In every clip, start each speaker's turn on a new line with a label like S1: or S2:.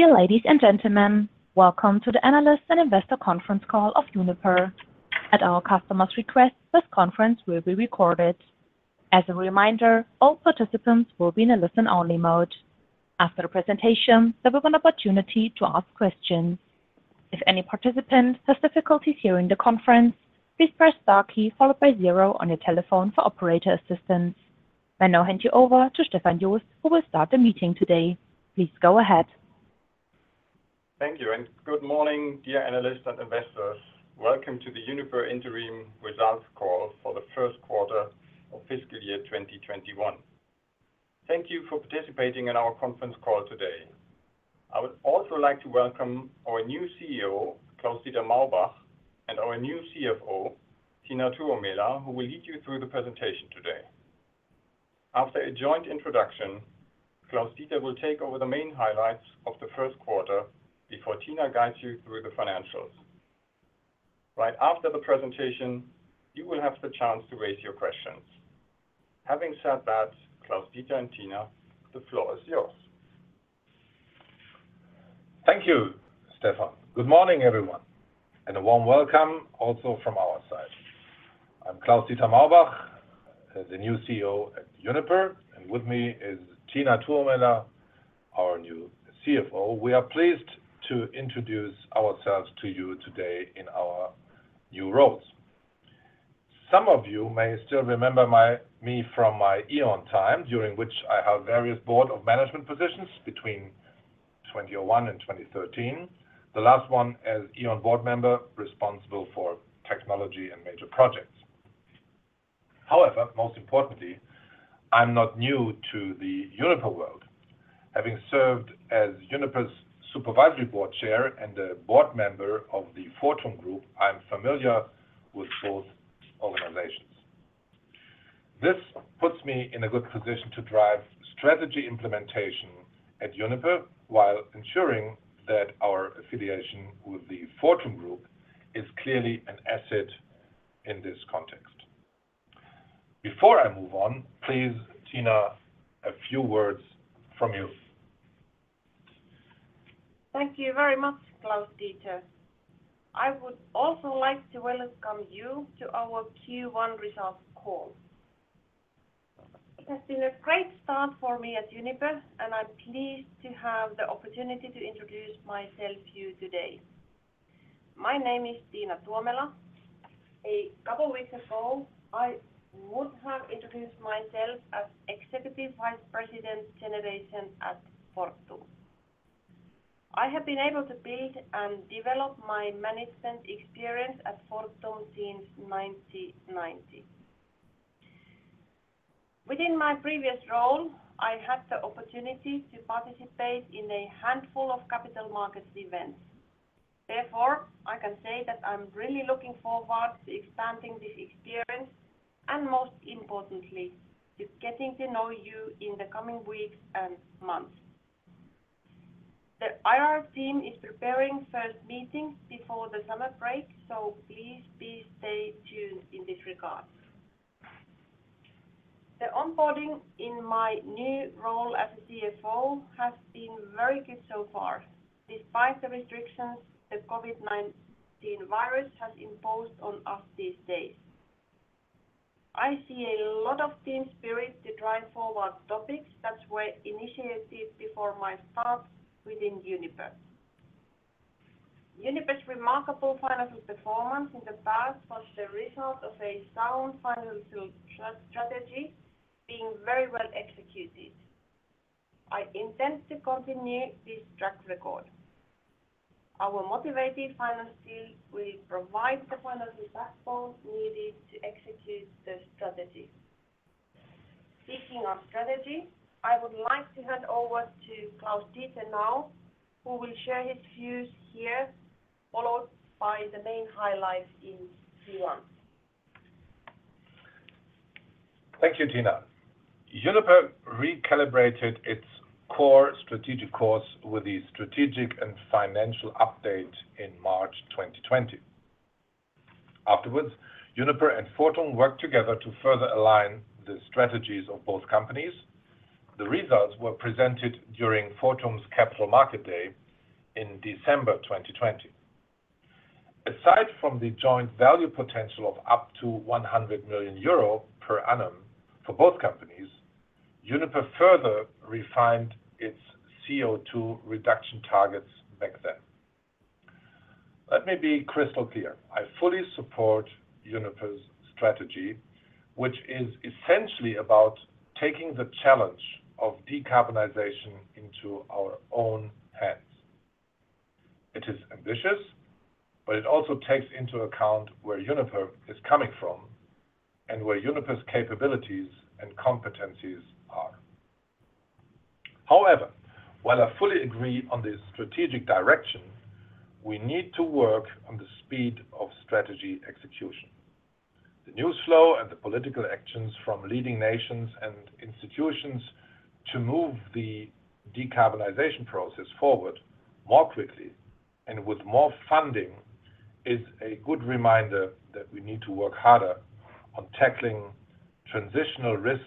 S1: Dear ladies and gentlemen, welcome to the analyst and investor conference call of Uniper. At our customer's request, this conference will be recorded. As a reminder, all participants will be in a listen-only mode. After the presentation, there will be an opportunity to ask questions. If any participant has difficulties hearing the conference, please press star key followed by zero on your telephone for operator assistance. I now hand you over to Stefan Jost, who will start the meeting today. Please go ahead.
S2: Thank you. Good morning, dear analysts and investors. Welcome to the Uniper Interim Results call for the first quarter of fiscal year 2021. Thank you for participating in our conference call today. I would also like to welcome our new CEO, Klaus-Dieter Maubach, and our new CFO, Tiina Tuomela, who will lead you through the presentation today. After a joint introduction, Klaus-Dieter will take over the main highlights of the first quarter before Tiina guides you through the financials. Right after the presentation, you will have the chance to raise your questions. Having said that, Klaus-Dieter and Tiina, the floor is yours.
S3: Thank you, Stefan Jost. Good morning, everyone, and a warm welcome also from our side. I'm Klaus-Dieter Maubach, the new CEO at Uniper, and with me is Tiina Tuomela, our new CFO. We are pleased to introduce ourselves to you today in our new roles. Some of you may still remember me from my E.ON time, during which I held various board of management positions between 2001 and 2013, the last one as E.ON board member responsible for technology and major projects. Most importantly, I'm not new to the Uniper world. Having served as Uniper's supervisory board chair and a board member of the Fortum group, I'm familiar with both organizations. This puts me in a good position to drive strategy implementation at Uniper while ensuring that our affiliation with the Fortum group is clearly an asset in this context. Before I move on, please, Tiina, a few words from you.
S4: Thank you very much, Klaus-Dieter. I would also like to welcome you to our Q1 results call. It has been a great start for me at Uniper, and I'm pleased to have the opportunity to introduce myself to you today. My name is Tiina Tuomela. A couple weeks ago, I would have introduced myself as executive vice president of generation at Fortum. I have been able to build and develop my management experience at Fortum since 1990. Within my previous role, I had the opportunity to participate in a handful of capital markets events. I can say that I'm really looking forward to expanding this experience and, most importantly, to getting to know you in the coming weeks and months. The IR team is preparing first meeting before the summer break. Please stay tuned in this regard. The onboarding in my new role as a CFO has been very good so far, despite the restrictions that COVID-19 virus has imposed on us these days. I see a lot of team spirit to drive forward topics that were initiated before my start within Uniper. Uniper's remarkable financial performance in the past was the result of a sound financial strategy being very well executed. I intend to continue this track record. Our motivated finance team will provide the financial backbone needed to execute the strategy. Speaking of strategy, I would like to hand over to Klaus-Dieter now, who will share his views here, followed by the main highlights in Q1.
S3: Thank you, Tiina. Uniper recalibrated its core strategic course with the strategic and financial update in March 2020. Afterwards, Uniper and Fortum worked together to further align the strategies of both companies. The results were presented during Fortum's Capital Markets Day in December 2020. Aside from the joint value potential of up to 100 million euro per annum for both companies, Uniper further refined its CO₂ reduction targets back then. Let me be crystal clear. I fully support Uniper's strategy, which is essentially about taking the challenge of decarbonization into our own hands. It is ambitious, but it also takes into account where Uniper is coming from and where Uniper's capabilities and competencies are. However, while I fully agree on the strategic direction, we need to work on the speed of strategy execution. The news flow and the political actions from leading nations and institutions to move the decarbonization process forward more quickly and with more funding is a good reminder that we need to work harder on tackling transitional risks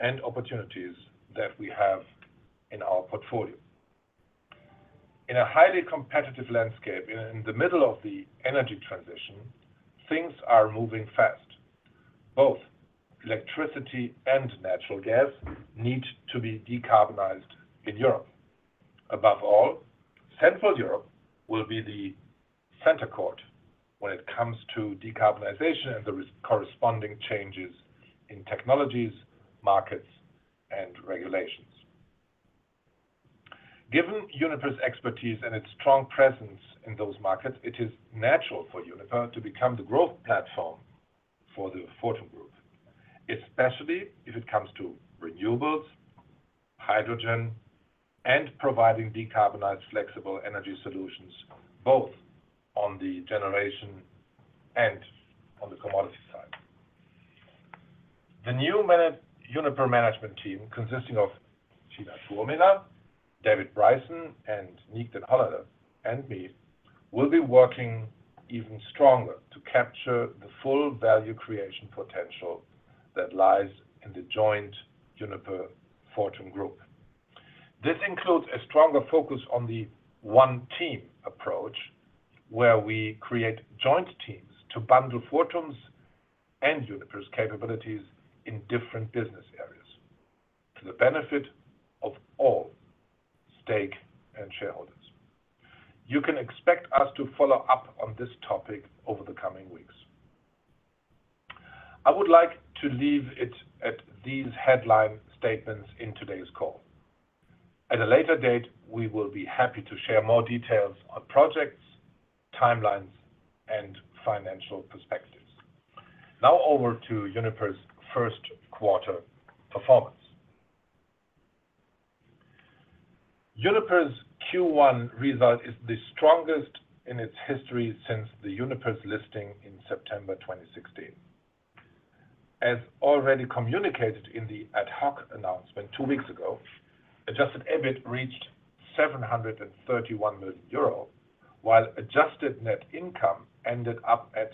S3: and opportunities that we have in our portfolio. In a highly competitive landscape, in the middle of the energy transition, things are moving fast. Both electricity and natural gas need to be decarbonized in Europe. Above all, Central Europe will be the center court when it comes to decarbonization and the corresponding changes in technologies, markets, and regulations. Given Uniper's expertise and its strong presence in those markets, it is natural for Uniper to become the growth platform for the Fortum Group, especially if it comes to renewables, hydrogen, and providing decarbonized flexible energy solutions, both on the generation and on the commodity side. The new Uniper management team, consisting of Tiina Tuomela, David Bryson, and Niek den Hollander, and me, will be working even stronger to capture the full value creation potential that lies in the joint Uniper-Fortum group. This includes a stronger focus on the one-team approach, where we create joint teams to bundle Fortum's and Uniper's capabilities in different business areas to the benefit of all stake and shareholders. You can expect us to follow up on this topic over the coming weeks. I would like to leave it at these headline statements in today's call. At a later date, we will be happy to share more details on projects, timelines, and financial perspectives. Now over to Uniper's first quarter performance. Uniper's Q1 result is the strongest in its history since the Uniper's listing in September 2016. As already communicated in the ad hoc announcement two weeks ago, adjusted EBIT reached 731 million euro, while adjusted net income ended up at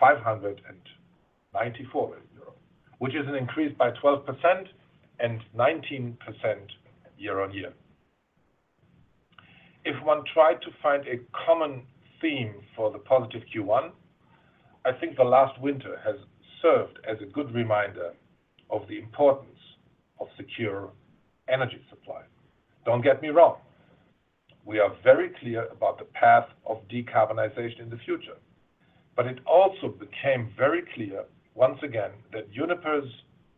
S3: 594 million euro, which is an increase by 12% and 19% year-on-year. If one tried to find a common theme for the positive Q1, I think the last winter has served as a good reminder of the importance of secure energy supply. Don't get me wrong, we are very clear about the path of decarbonization in the future. It also became very clear once again that Uniper's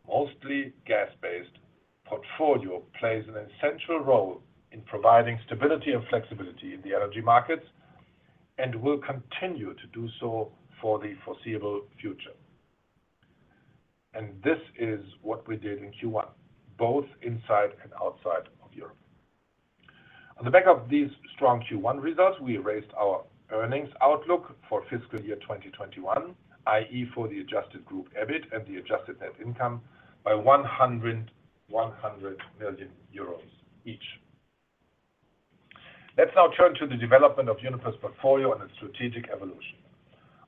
S3: mostly gas-based portfolio plays an essential role in providing stability and flexibility in the energy markets and will continue to do so for the foreseeable future. This is what we did in Q1, both inside and outside of Europe. On the back of these strong Q1 results, we raised our earnings outlook for fiscal year 2021, i.e., for the adjusted group EBIT and the adjusted net income by 100 million euros each. Let's now turn to the development of Uniper's portfolio and its strategic evolution.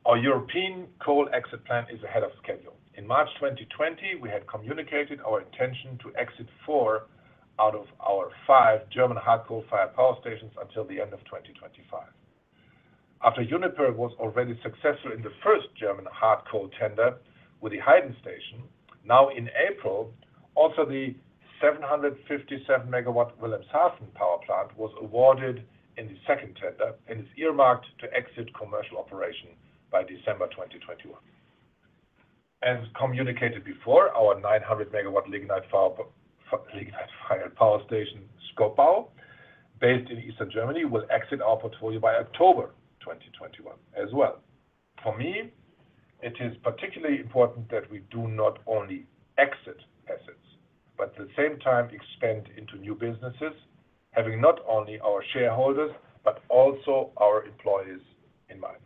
S3: Our European coal exit plant is ahead of schedule. In March 2020, we had communicated our intention to exit four out of our five German hard coal-fired power stations until the end of 2025. After Uniper was already successful in the first German hard coal tender with the Heyden station, now in April, also the 757 MW Wilhelmshaven power plant was awarded in the second tender and is earmarked to exit commercial operation by December 2021. As communicated before, our 900 MW lignite-fired power station, Schkopau, based in eastern Germany, will exit our portfolio by October 2021 as well. For me, it is particularly important that we do not only exit assets, but at the same time expand into new businesses, having not only our shareholders but also our employees in mind.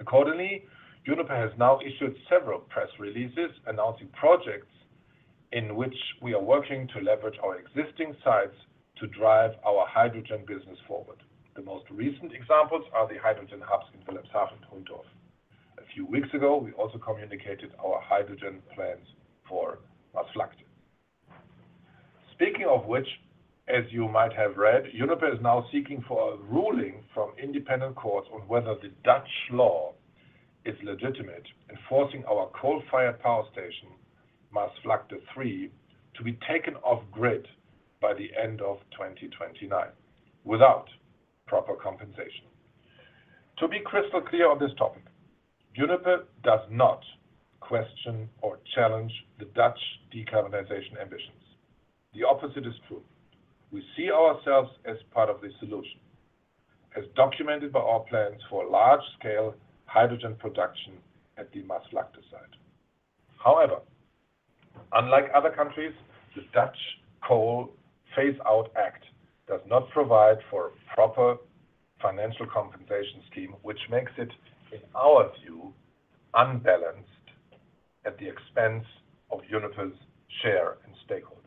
S3: Accordingly, Uniper has now issued several press releases announcing projects in which we are working to leverage our existing sites to drive our hydrogen business forward. The most recent examples are the hydrogen hubs in Wilhelmshaven and Hoyerswerda. A few weeks ago, we also communicated our hydrogen plans for Maasvlakte. Speaking of which, as you might have read, Uniper is now seeking for a ruling from independent courts on whether the Dutch law is legitimate in forcing our coal-fired power station, Maasvlakte 3, to be taken off-grid by the end of 2029 without proper compensation. To be crystal clear on this topic, Uniper does not question or challenge the Dutch decarbonization ambitions. The opposite is true. We see ourselves as part of the solution, as documented by our plans for large-scale hydrogen production at the Maasvlakte site. Unlike other countries, the Dutch Coal Phase Out Act does not provide for a proper financial compensation scheme, which makes it, in our view, unbalanced at the expense of Uniper's share and stakeholders.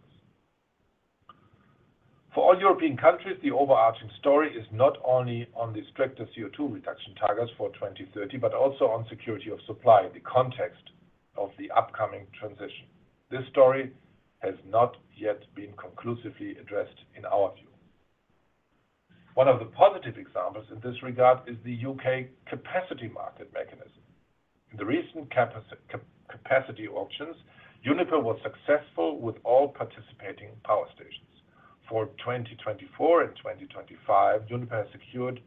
S3: For all European countries, the overarching story is not only on the stricter CO₂ reduction targets for 2030 but also on security of supply in the context of the upcoming transition. This story has not yet been conclusively addressed in our view. One of the positive examples in this regard is the U.K. capacity market mechanism. In the recent capacity options, Uniper was successful with all participating power stations. For 2024 and 2025, Uniper secured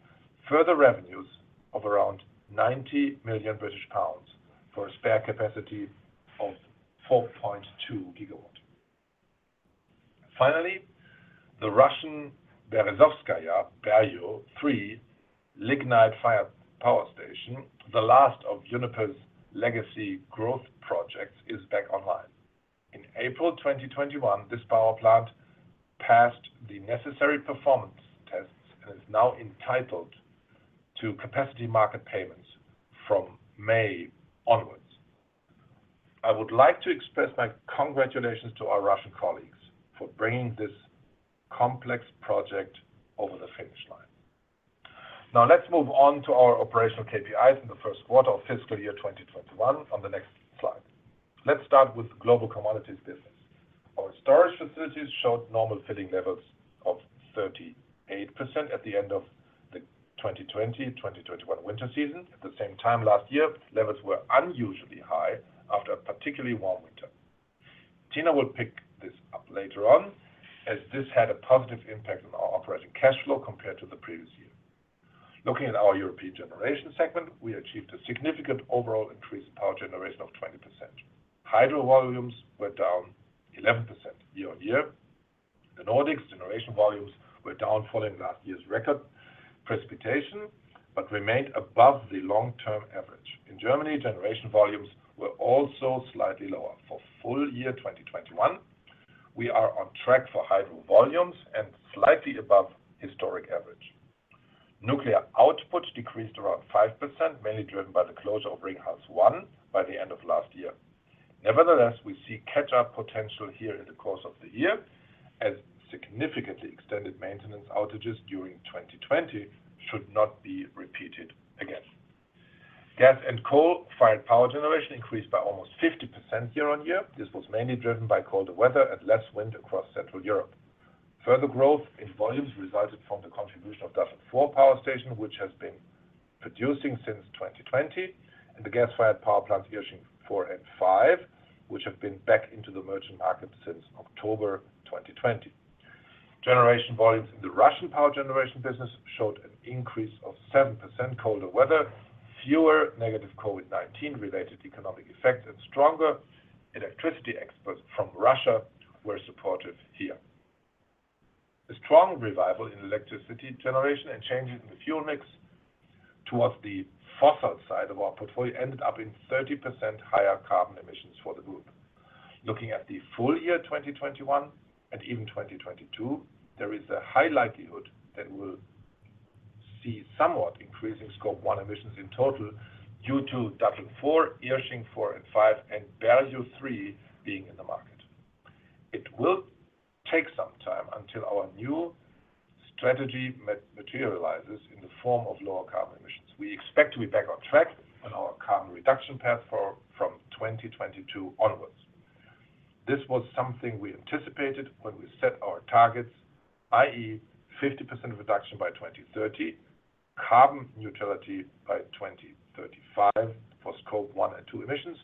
S3: further revenues of around 90 million British pounds for a spare capacity of 4.2 gigawatts. Finally, the Russian Berezovskaya GRES Unit 3 lignite-fired power station, the last of Uniper's legacy growth projects, is back online. In April 2021, this power plant passed the necessary performance tests and is now entitled to capacity market payments from May onwards. I would like to express my congratulations to our Russian colleagues for bringing this complex project over the finish line. Let's move on to our operational KPIs in the first quarter of fiscal year 2021 on the next slide. Let's start with global commodities business. Our storage facilities showed normal filling levels of 38% at the end of the 2020-2021 winter season. At the same time last year, levels were unusually high after a particularly warm winter. Tiina will pick this up later on, as this had a positive impact on our operating cash flow compared to the previous year. Looking at our European generation segment, we achieved a significant overall increase in power generation of 20%. Hydro volumes were down 11% year-on-year. The Nordics' generation volumes were down following last year's record precipitation but remained above the long-term average. In Germany, generation volumes were also slightly lower. For full year 2021, we are on track for hydro volumes and slightly above historic average. Nuclear output decreased around 5%, mainly driven by the closure of Ringhals 1 by the end of last year. Nevertheless, we see catch-up potential here in the course of the year, as significantly extended maintenance outages during 2020 should not be repeated again. Gas and coal-fired power generation increased by almost 50% year-on-year. This was mainly driven by colder weather and less wind across Central Europe. Further growth in volumes resulted from the contribution of Datteln 4 Power Station, which has been producing since 2020, and the gas-fired power plants, Irsching 4 and 5, which have been back into the merchant market since October 2020. Generation volumes in the Russian power generation business showed an increase of 7%; colder weather, fewer negative COVID-19-related economic effects, and stronger electricity exports from Russia were supportive here. The strong revival in electricity generation and changes in the fuel mix towards the fossil side of our portfolio ended up in 30% higher carbon emissions for the group. Looking at the full year 2021 and even 2022, there is a high likelihood that we'll see somewhat increasing Scope 1 emissions in total due to Datteln 4, Irsching 4 and 5, and Berio 3 being in the market. It will take some time until our new strategy materializes in the form of lower carbon emissions. We expect to be back on track on our carbon reduction path from 2022 onwards. This was something we anticipated when we set our targets, i.e., 50% reduction by 2030, carbon neutrality by 2035 for Scope 1 and 2 emissions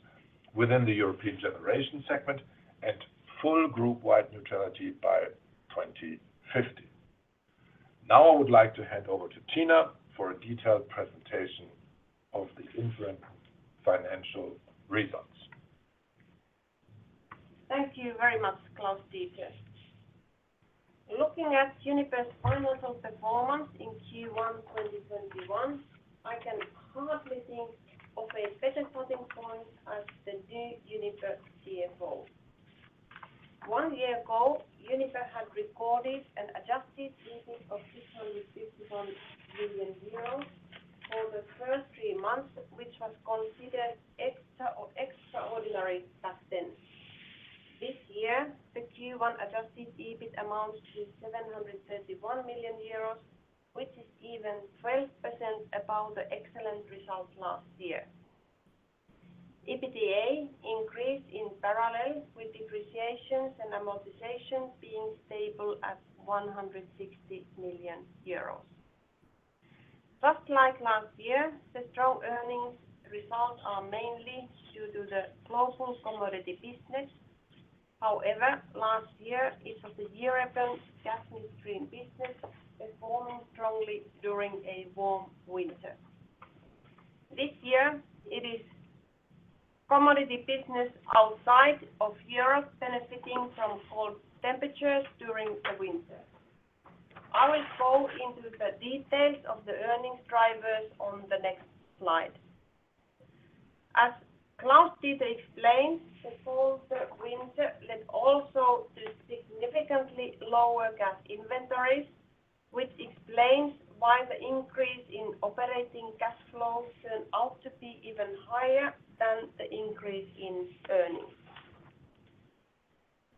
S3: within the European generation segment, and full group-wide neutrality by 2050. I would like to hand over to Tiina Tuomela for a detailed presentation of the interim financial results.
S4: Thank you very much, Klaus-Dieter Maubach. Looking at Uniper's financial performance in Q1 2021, I can hardly think of a better starting point as the new Uniper CFO. One year ago, Uniper had recorded an adjusted EBIT of 651 million euros for the first three months, which was considered extraordinary back then. This year, the Q1 adjusted EBIT amounts to 731 million euros, which is even 12% above the excellent results last year. EBITDA increased in parallel with depreciations and amortizations being stable at 160 million euros. Just like last year, the strong earnings results are mainly due to the global commodity business. Last year it was the European gas midterm business that performed strongly during a warm winter. This year, it is commodity business outside of Europe benefiting from cold temperatures during the winter. I will go into the details of the earnings drivers on the next slide. As Klaus-Dieter Maubach explained, the colder winter led also to significantly lower gas inventories, which explains why the increase in operating cash flows turned out to be even higher than the increase in earnings.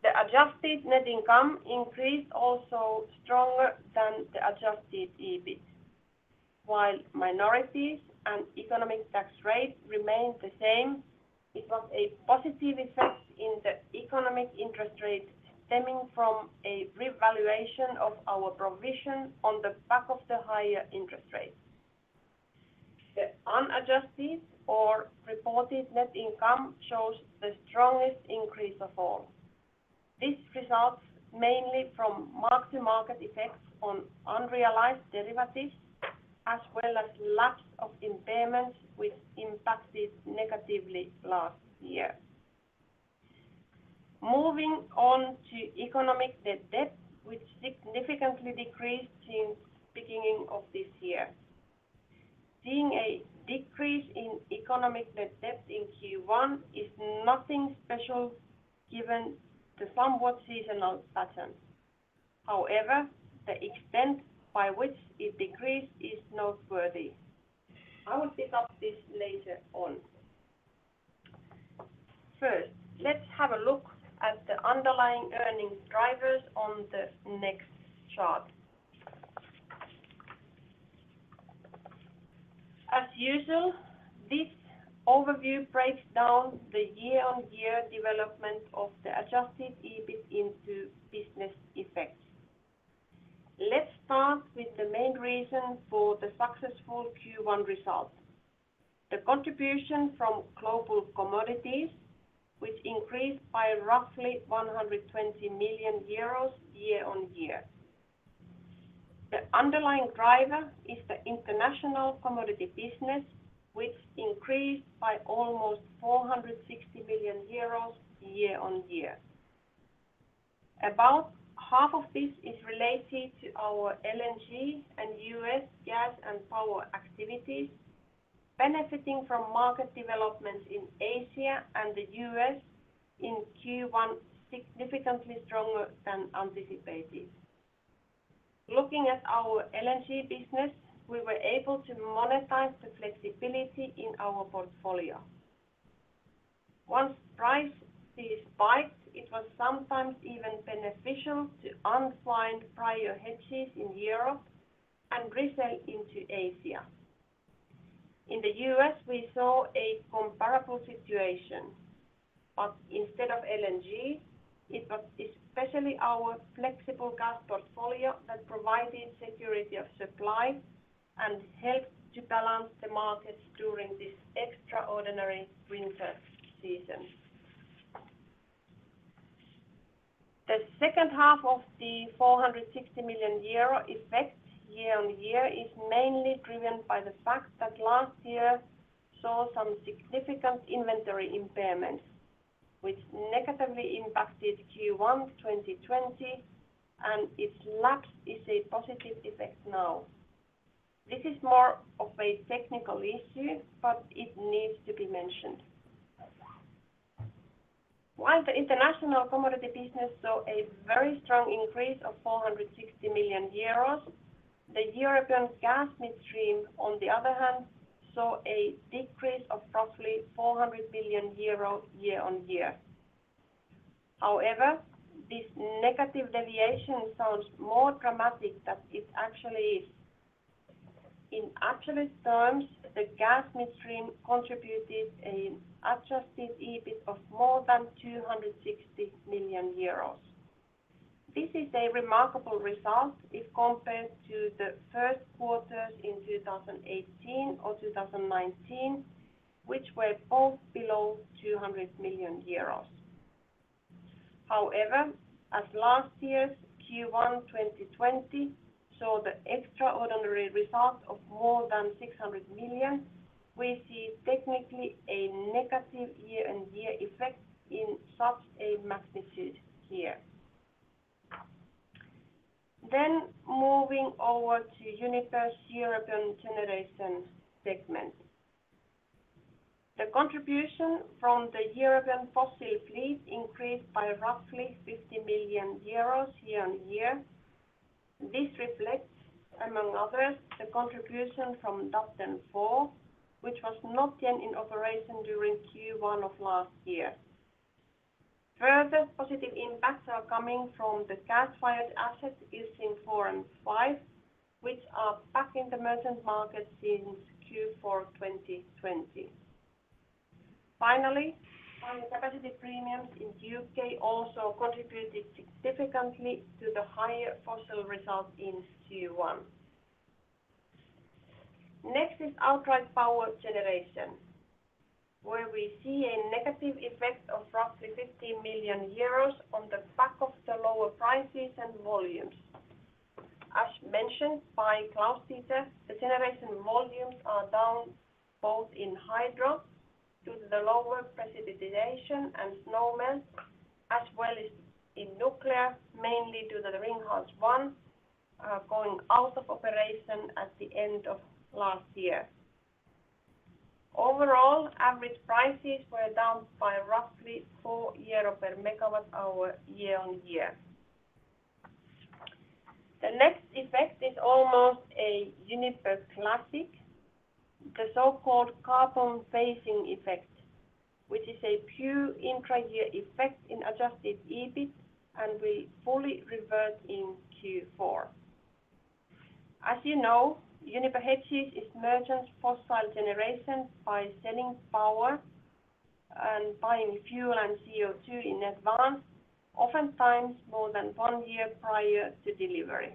S4: The adjusted net income increased also stronger than the adjusted EBIT. While minorities and economic tax rate remained the same, it was a positive effect in the economic interest rate stemming from a revaluation of our provision on the back of the higher interest rate. The unadjusted or reported net income shows the strongest increase of all. This results mainly from mark-to-market effects on unrealized derivatives, as well as a lapse of impairments, which impacted negatively last year. Moving on to economic net debt, which significantly decreased since the beginning of this year. Seeing a decrease in economic net debt in Q1 is nothing special given the somewhat seasonal pattern. However, the extent by which it decreased is noteworthy. I will pick up this later on. First, let's have a look at the underlying earnings drivers on the next chart. As usual, this overview breaks down the year-on-year development of the adjusted EBIT into business effects. Let's start with the main reason for the successful Q1 result. The contribution from global commodities, which increased by roughly 120 million euros year-on-year. The underlying driver is the international commodity business, which increased by almost 460 million euros year-on-year. About half of this is related to our LNG and U.S. gas and power activities, benefiting from market developments in Asia and the U.S. in Q1, significantly stronger than anticipated. Looking at our LNG business, we were able to monetize the flexibility in our portfolio. Once prices spiked, it was sometimes even beneficial to unwind prior hedges in Europe and resell into Asia. In the U.S., we saw a comparable situation, but instead of LNG, it was especially our flexible gas portfolio that provided security of supply and helped to balance the markets during this extraordinary winter season. The second half of the 460 million euro effect year-on-year is mainly driven by the fact that last year saw some significant inventory impairments, which negatively impacted Q1 2020, and its lapse is a positive effect now. This is more of a technical issue, but it needs to be mentioned. While the international commodity business saw a very strong increase of 460 million euros, the European gas midstream, on the other hand, saw a decrease of roughly 400 million euros year-on-year. However, this negative deviation sounds more dramatic than it actually is. In absolute terms, the gas midstream contributed an adjusted EBIT of more than 260 million euros. This is a remarkable result if compared to the first quarters in 2018 or 2019, which were both below 200 million euros. As last year's Q1 2020 saw the extraordinary result of more than 600 million, we see technically a negative year-on-year effect in such magnitude here. Moving over to Uniper's European Generation segment. The contribution from the European fossil fleet increased by roughly 50 million euros year-on-year. This reflects, among others, the contribution from Datteln 4, which was not yet in operation during Q1 of last year. Further positive impacts are coming from the gas-fired assets using Irsching 5, which are back in the merchant market since Q4 2020. Finally, capacity premiums in U.K. also contributed significantly to the higher fossil result in Q1. Next is outright power generation, where we see a negative effect of roughly 50 million euros on the back of the lower prices and volumes. As mentioned by Klaus-Dieter, the generation volumes are down both in hydro due to the lower precipitation and snowmelt, as well as in nuclear, mainly due to the Ringhals 1 going out of operation at the end of last year. Overall, average prices were down by roughly 4 euro per megawatt hour year-on-year. The next effect is almost a Uniper classic, the so-called carbon phasing effect, which is a pure intra-year effect in adjusted EBIT and will fully revert in Q4. As you know, Uniper hedges its merchant fossil generation by selling power and buying fuel and CO₂ in advance, oftentimes more than one year prior to delivery.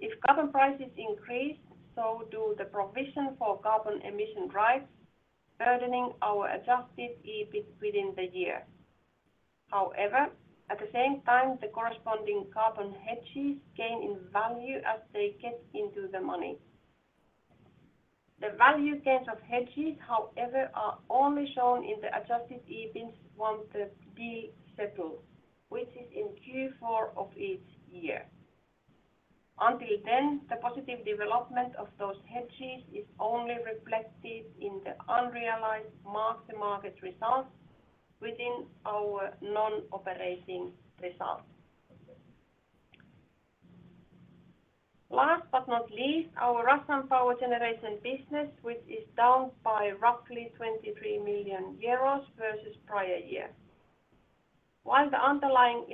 S4: If carbon prices increase, so do the provision for carbon emission rights, burdening our adjusted EBIT within the year. However, at the same time, the corresponding carbon hedges gain in value as they get into the money. The value gains of hedges, however, are only shown in the adjusted EBIT once the deal settles, which is in Q4 of each year. Until then, the positive development of those hedges is only reflected in the unrealized mark-to-market results within our non-operating results. Last but not least, our Russian power generation business, which is down by roughly 23 million euros versus prior year. While the underlying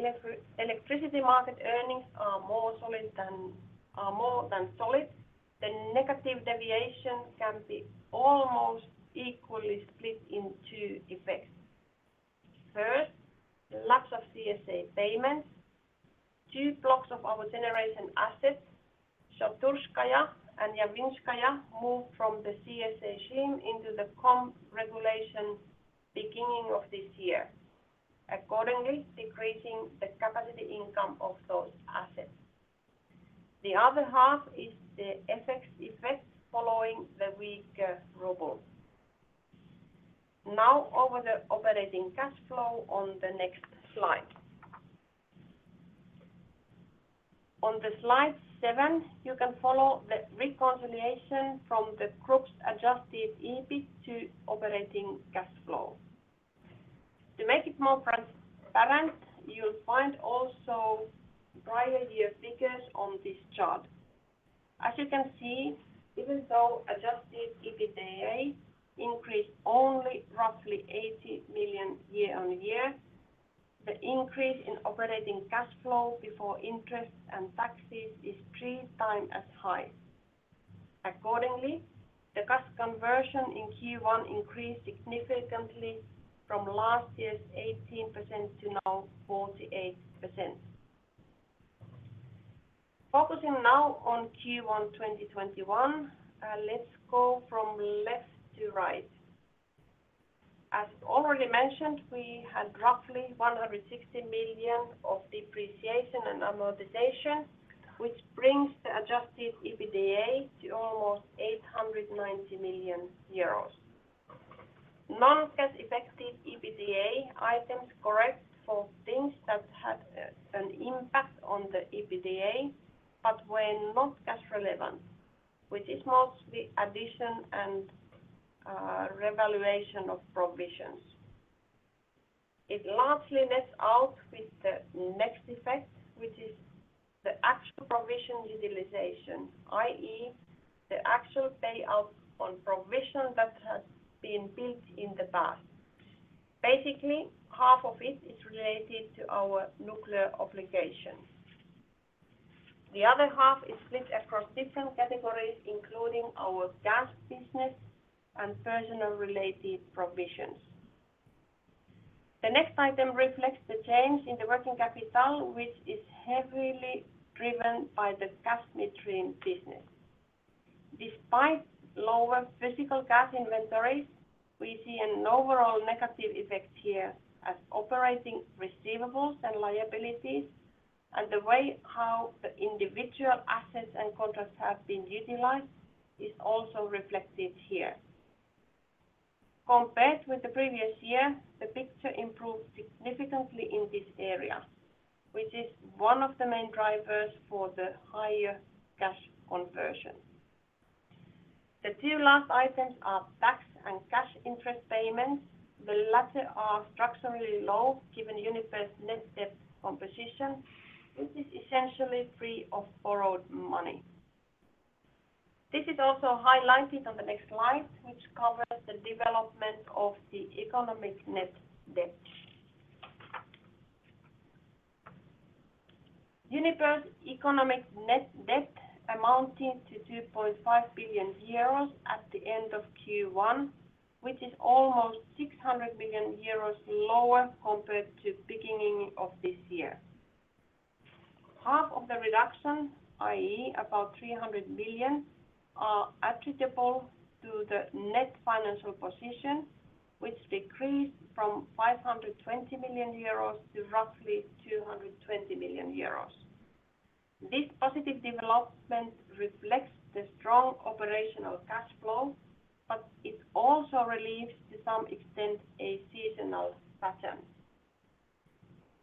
S4: electricity market earnings are more than solid, the negative deviation can be almost equally split in two effects. First, the lapse of CSA payments. Two blocks of our generation assets, Shaturskaya and Yaivinskaya, moved from the CSA stream into the KOM regulation beginning of this year, accordingly decreasing the capacity income of those assets. The other half is the FX effect following the weaker ruble. Now, over to operating cash flow on the next slide. On the slide seven, you can follow the reconciliation from the group's adjusted EBIT to operating cash flow. To make it more transparent, you'll find also prior-year figures on this chart. As you can see, even though adjusted EBITDA increased only roughly 80 million year-on-year, the increase in operating cash flow before interest and taxes is three times as high. Accordingly, the cash conversion in Q1 increased significantly from last year's 18% to now 48%. Focusing now on Q1 2021, let's go from left to right. As already mentioned, we had roughly 160 million of depreciation and amortization, which brings the adjusted EBITDA to almost 890 million euros. Non-cash effective EBITDA items correct for things that had an impact on the EBITDA but were not cash relevant, which is mostly addition and revaluation of provisions. It largely nets out with the next effect, which is the actual provision utilization, i.e., the actual payout on provision that has been built in the past. Basically, half of it is related to our nuclear obligation. The other half is split across different categories, including our gas business and personal-related provisions. The next item reflects the change in the working capital, which is heavily driven by the gas midstream business. Despite lower physical gas inventories, we see an overall negative effect here as operating receivables and liabilities and the way how the individual assets and contracts have been utilized, is also reflected here. Compared with the previous year, the picture improved significantly in this area, which is one of the main drivers for the higher cash conversion. The two last items are tax and cash interest payments. The latter are structurally low given Uniper's net debt composition, which is essentially free of borrowed money. This is also highlighted on the next slide, which covers the development of the economic net debt. Uniper's economic net debt amounting to 2.5 billion euros at the end of Q1, which is almost 600 million euros lower compared to beginning of this year. Half of the reduction, i.e., about 300 million, are attributable to the net financial position, which decreased from 520 million euros to roughly 220 million euros. This positive development reflects the strong operational cash flow, but it also relieves, to some extent, a seasonal.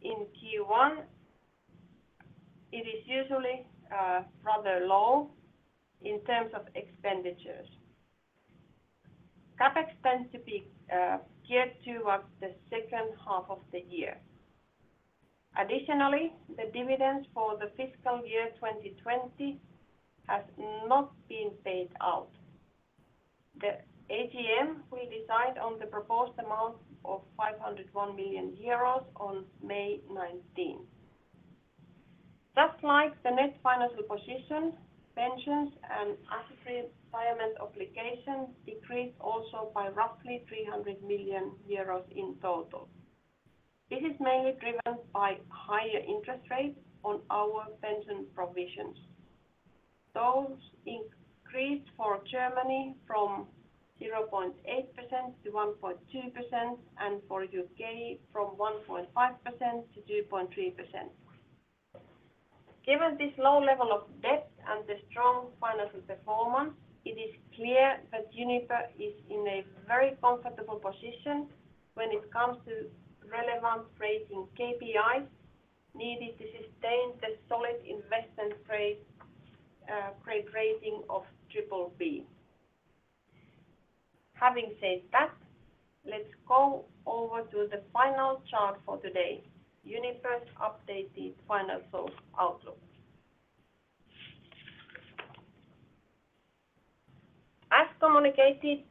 S4: In Q1, it is usually rather low in terms of expenditures. CapEx tends to be geared towards the second half of the year. Additionally, the dividends for the fiscal year 2020 has not been paid out. The AGM will decide on the proposed amount of 501 million euros on May 19th. Just like the net financial position, pensions and asset retirement obligations decreased also by roughly 300 million euros in total. This is mainly driven by higher interest rates on our pension provisions. Those increased for Germany from 0.8% to 1.2% and for U.K. from 1.5% to 2.3%. Given this low level of debt and the strong financial performance, it is clear that Uniper is in a very comfortable position when it comes to relevant rating KPIs needed to sustain the solid investment grade rating of BBB. Having said that, let's go over to the final chart for today, Uniper's updated financial outlook. As communicated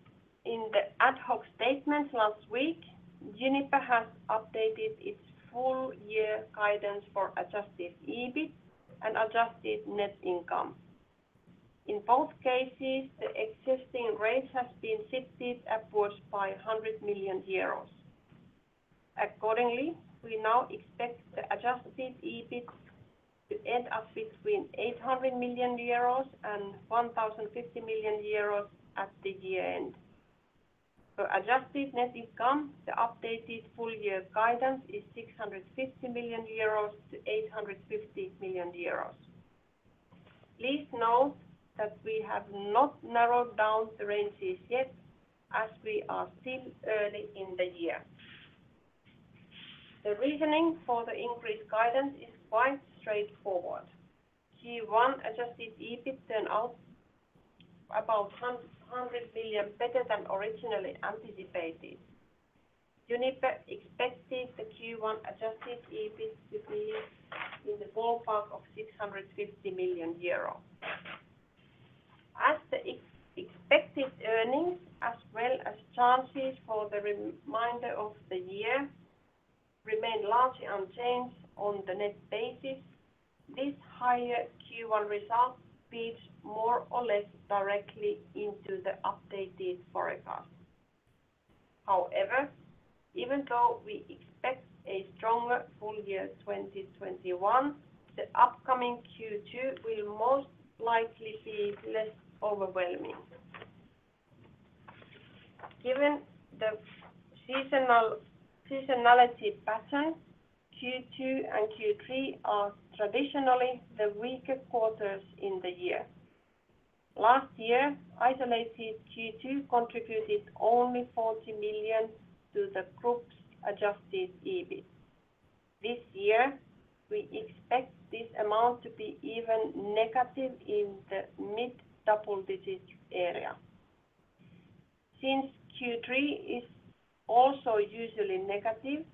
S4: in the ad hoc statement last week, Uniper has updated its full-year guidance for adjusted EBIT and adjusted net income. In both cases, the existing range has been shifted upwards by 100 million euros. Accordingly, we now expect the adjusted EBIT to end up between 800 million euros and 1,050 million euros at the year-end. For adjusted net income, the updated full-year guidance is 650 million-850 million euros. Please note that we have not narrowed down the ranges yet, as we are still early in the year. The reasoning for the increased guidance is quite straightforward. Q1 adjusted EBIT turned out about 100 million better than originally anticipated. Uniper expected the Q1 adjusted EBIT to be in the ballpark of 650 million euros. As the expected earnings as well as chances for the remainder of the year remain largely unchanged on the net basis, this higher Q1 result feeds more or less directly into the updated forecast. However, even though we expect a stronger full year 2021, the upcoming Q2 will most likely be less overwhelming. Given the seasonality pattern, Q2 and Q3 are traditionally the weaker quarters in the year. Last year, isolated Q2 contributed only 40 million to the group's adjusted EBIT. This year, we expect this amount to be even negative in the mid-double-digit area. Since Q3 is also usually negative,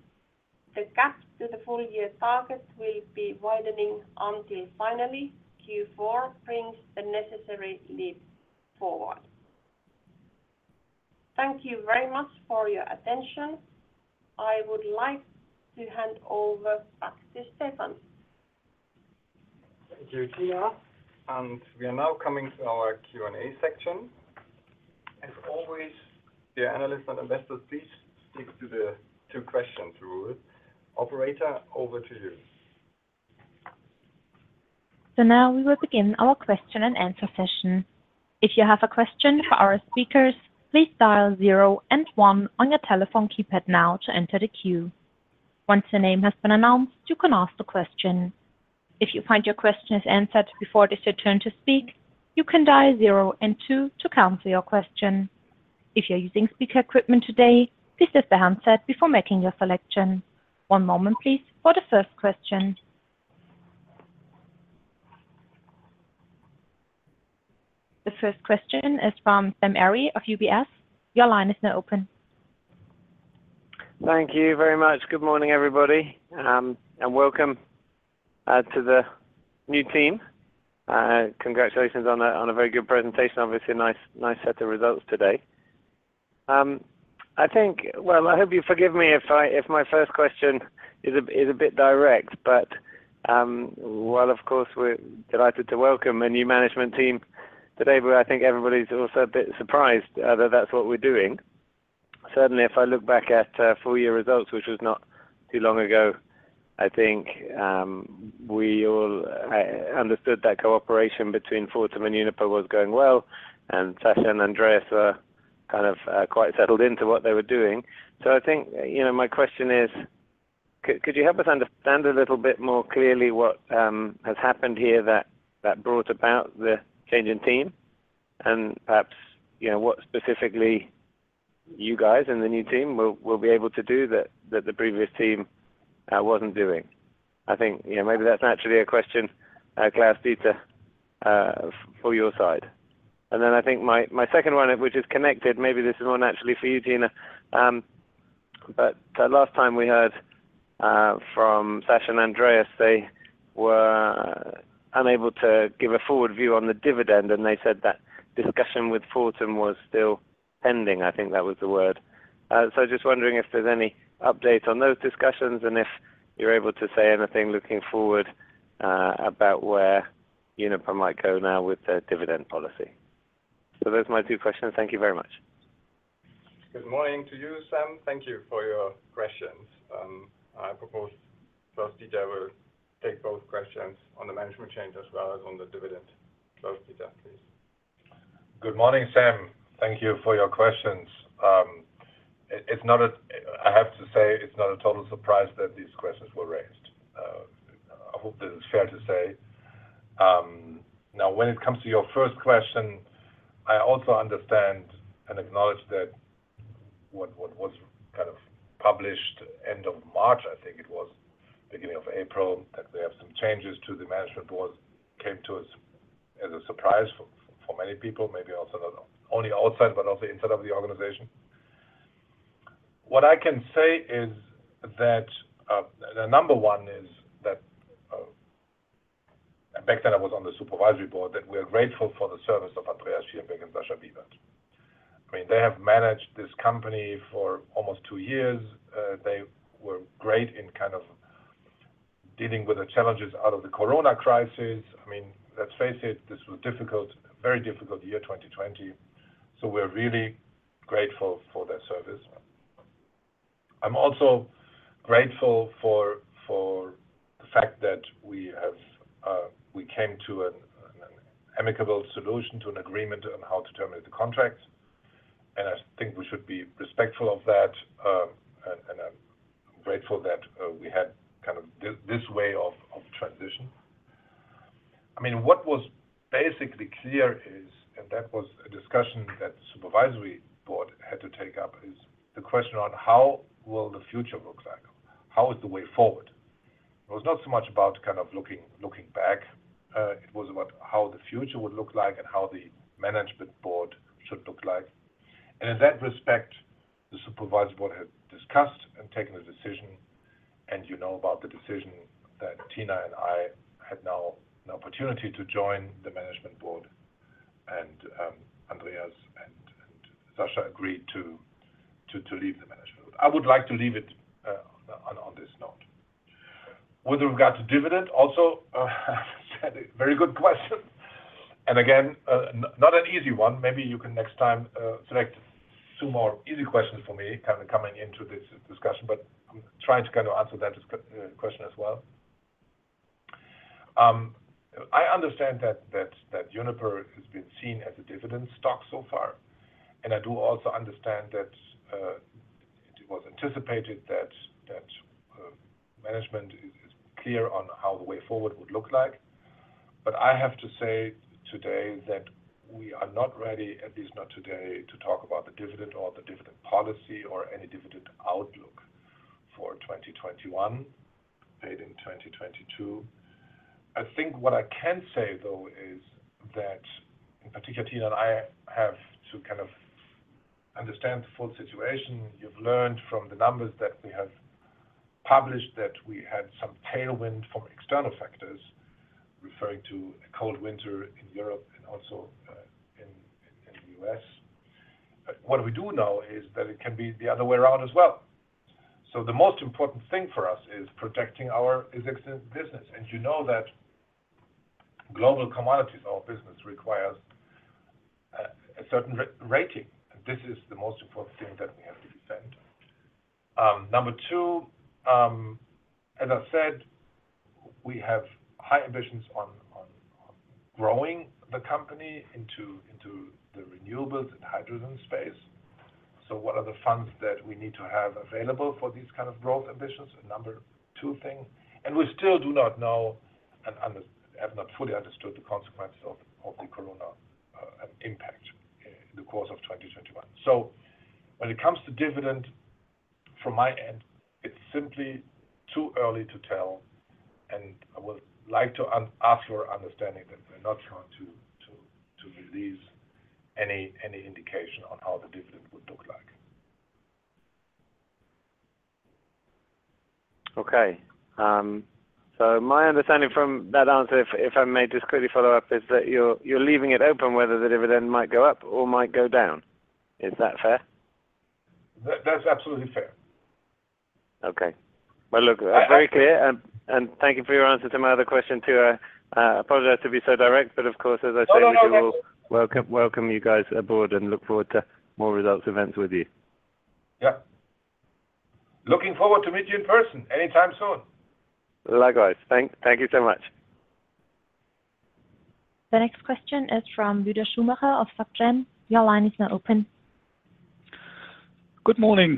S4: the gap to the full-year target will be widening until finally Q4 brings the necessary leap forward. Thank you very much for your attention. I would like to hand over back to Stefan.
S2: Thank you, Tiina. We are now coming to our Q&A section. As always, the analyst and investor stick to the two-question rule. Operator, over to you.
S1: Now we will begin our question-and-answer session. If you have a question for our speakers, please dial zero and one on your telephone keypad now to enter the queue. Once your name has been announced, you can ask the question. If you find your question is answered before it is your turn to speak, you can dial zero and two to cancel your question. If you're using speaker equipment today, please deaf the handset before making your selection. One moment, please, for the first question. The first question is from Sam Arie of UBS.
S5: Thank you very much. Good morning, everybody, and welcome to the new team. Congratulations on a very good presentation. Obviously, nice set of results today. I hope you forgive me if my first question is a bit direct, while of course we're delighted to welcome a new management team today, but I think everybody's also a bit surprised that that's what we're doing. Certainly, if I look back at full-year results, which was not too long ago, I think we all understood that cooperation between Fortum and Uniper was going well, and Sascha and Andreas were kind of quite settled into what they were doing. I think my question is, could you help us understand a little bit more clearly what has happened here that brought about the change in team? Perhaps what specifically you guys and the new team will be able to do that the previous team wasn't doing. I think maybe that's actually a question, Klaus-Dieter, for your side. I think my second one, which is connected, maybe this is more naturally for you, Tiina, but last time we heard from Sascha and Andreas, they were unable to give a forward view on the dividend, and they said that discussion with Fortum was still pending. I think that was the word. Just wondering if there's any updates on those discussions and if you're able to say anything looking forward about where Uniper might go now with their dividend policy. Those are my two questions. Thank you very much.
S2: Good morning to you, Sam. Thank you for your questions. I propose Klaus-Dieter will take both questions on the management change as well as on the dividend. Klaus-Dieter, please.
S3: Good morning, Sam. Thank you for your questions. I have to say, it's not a total surprise that these questions were raised. I hope this is fair to say. Now, when it comes to your first question, I also understand and acknowledge that what was kind of published end of March, I think it was, beginning of April, that they have some changes to the management board came to us as a surprise for many people, maybe also not only outside but also inside of the organization. What I can say is that the number one is that back then I was on the supervisory board, that we're grateful for the service of Andreas Schierenbeck and Sascha Bibert. They have managed this company for almost two years. They were great in kind of dealing with the challenges out of the Corona crisis. Let's face it, this was difficult, a very difficult year, 2020. We're really grateful for their service. I'm also grateful for the fact that we came to an amicable solution, to an agreement on how to terminate the contract, and I think we should be respectful of that. I'm grateful that we had this way of transition. What was basically clear is, and that was a discussion that supervisory board had to take up, is the question on how will the future look like. How is the way forward? It was not so much about kind of looking back. It was about how the future would look like and how the management board should look like. In that respect, the Supervisory Board had discussed and taken a decision, and you know about the decision that Tiina and I had—now an opportunity to join the Management Board—and Andreas and Sascha agreed to leave the Management Board. I would like to leave it on this note. With regard to dividends, also Sam, very good question. Again, not an easy one. Maybe you can next time select two more easy questions for me coming into this discussion. I'm trying to kind of answer that question as well. I understand that Uniper has been seen as a dividend stock so far, and I do also understand that it was anticipated that management is clear on how the way forward would look like. I have to say today that we are not ready, at least not today, to talk about the dividend or the dividend policy or any dividend outlook for 2021, paid in 2022. I think what I can say, though, is that in particular, Tiina and I have to kind of understand the full situation. You've learned from the numbers that we have published that we had some tailwind from external factors, referring to a cold winter in Europe and also in the U.S. What we do know is that it can be the other way around as well. The most important thing for us is protecting our existing business. You know that global commodities, our business requires a certain rating, and this is the most important thing that we have to defend. Number two, as I said, we have high ambitions on growing the company into the renewables and hydrogen space. What are the funds that we need to have available for these kind of growth ambitions? A number two thing. We still do not know and have not fully understood the consequences of the corona impact in the course of 2021. When it comes to dividends, from my end, it's simply too early to tell, and I would like to ask for understanding that we're not trying to release any indication on how the dividend would look like.
S5: Okay. My understanding from that answer, if I may just quickly follow up, is that you're leaving it open whether the dividend might go up or might go down. Is that fair?
S3: That's absolutely fair.
S5: Okay. Well, look, that's very clear. Thank you for your answer to my other question, too. I apologize to be so direct, of course.
S3: No
S5: We will welcome you guys aboard and look forward to more results events with you.
S3: Looking forward to meet you in person anytime soon.
S5: Likewise. Thank you so much.
S1: The next question is from Lueder Schumacher of SocGen. Your line is now open.
S6: Good morning,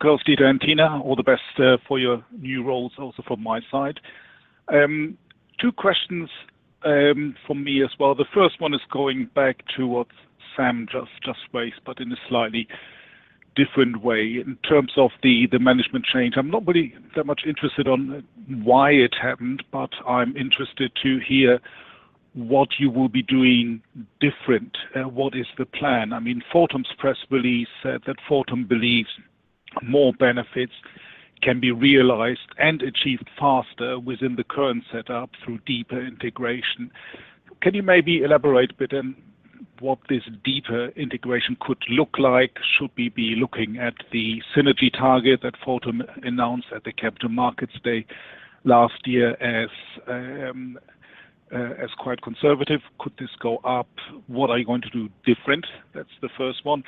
S6: Klaus-Dieter and Tiina. All the best for your new roles, also from my side. Two questions from me as well. The first one is going back to what Sam just raised, but in a slightly different way in terms of the management change. I'm not really that much interested on why it happened, but I'm interested to hear what you will be doing different. What is the plan? Fortum's press release said that Fortum believes more benefits can be realized and achieved faster within the current setup through deeper integration. Can you maybe elaborate a bit on what this deeper integration could look like? Should we be looking at the synergy target that Fortum announced at the capital markets day last year as quite conservative? Could this go up? What are you going to do different? That's the first one.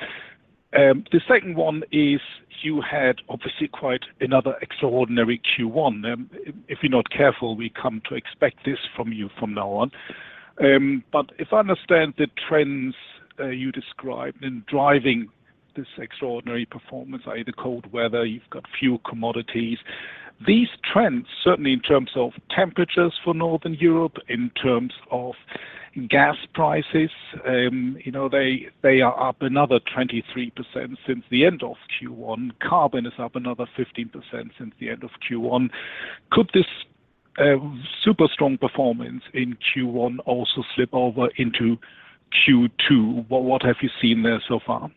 S6: The second one is you had, obviously, quite another extraordinary Q1. If you're not careful, we come to expect this from you from now on. If I understand the trends you described in driving this extraordinary performance, i.e., the cold weather, you've got few commodities. These trends, certainly in terms of temperatures for Northern Europe, in terms of gas prices, they are up another 23% since the end of Q1. Carbon is up another 15% since the end of Q1. Could this super strong performance in Q1 also slip over into Q2? What have you seen there so far?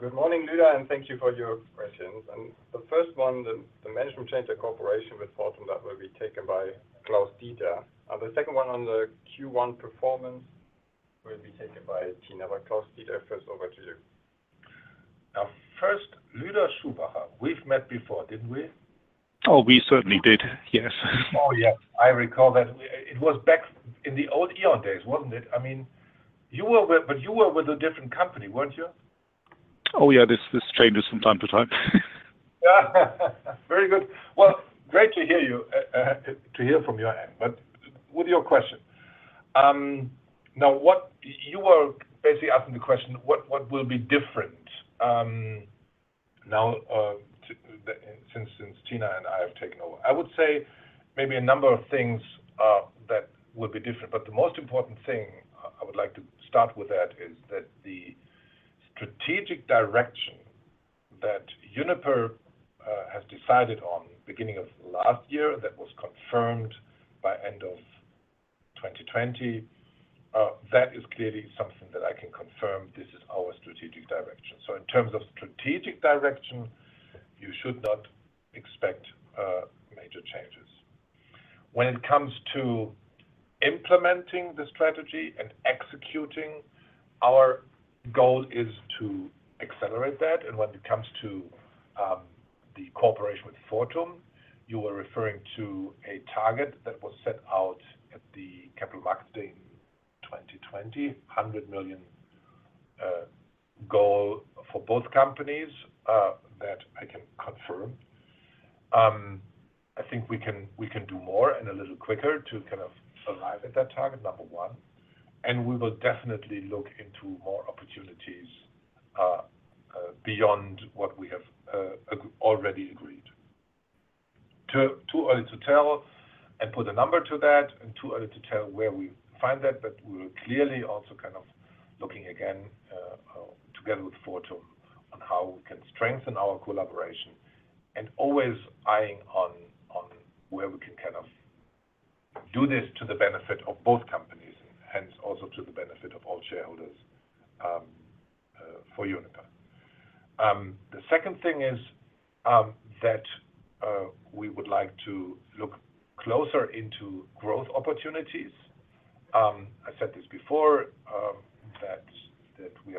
S2: Good morning, Lueder, thank you for your questions. The first one, the management change, the cooperation with Fortum, that will be taken by Klaus-Dieter. The second one on the Q1 performance will be taken by Tiina. Klaus-Dieter, first, over to you.
S3: First, Lueder Schumacher, we've met before, didn't we?
S6: Oh, we certainly did, yes.
S3: Oh, yes. I recall that. It was back in the old E.ON days, wasn't it? You were with a different company, weren't you?
S6: Oh, yeah. This changes from time to time.
S3: Very good. Well, great to hear from your end with your question. You were basically asking the question, "What will be different now since Tiina and I have taken over?" I would say maybe a number of things that will be different; the most important thing I would like to start with that is that the strategic direction that Uniper has decided on beginning of last year, that was confirmed by end of 2020, that is clearly something that I can confirm this is our strategic direction. In terms of strategic direction, you should not expect major changes. When it comes to implementing the strategy and executing, our goal is to accelerate that. When it comes to the cooperation with Fortum, you were referring to a target that was set out at the Capital Markets Day in 2020, EUR 100 million goal for both companies, that I can confirm. I think we can do more and a little quicker to kind of arrive at that target, number one, and we will definitely look into more opportunities beyond what we have already agreed. Too early to tell and put a number to that, and too early to tell where we find that, but we're clearly also kind of looking again, together with Fortum, on how we can strengthen our collaboration and always eyeing on where we can kind of do this to the benefit of both companies, and hence, also to the benefit of all shareholders for Uniper. The second thing is that we would like to look closer into growth opportunities. I said this before: that we are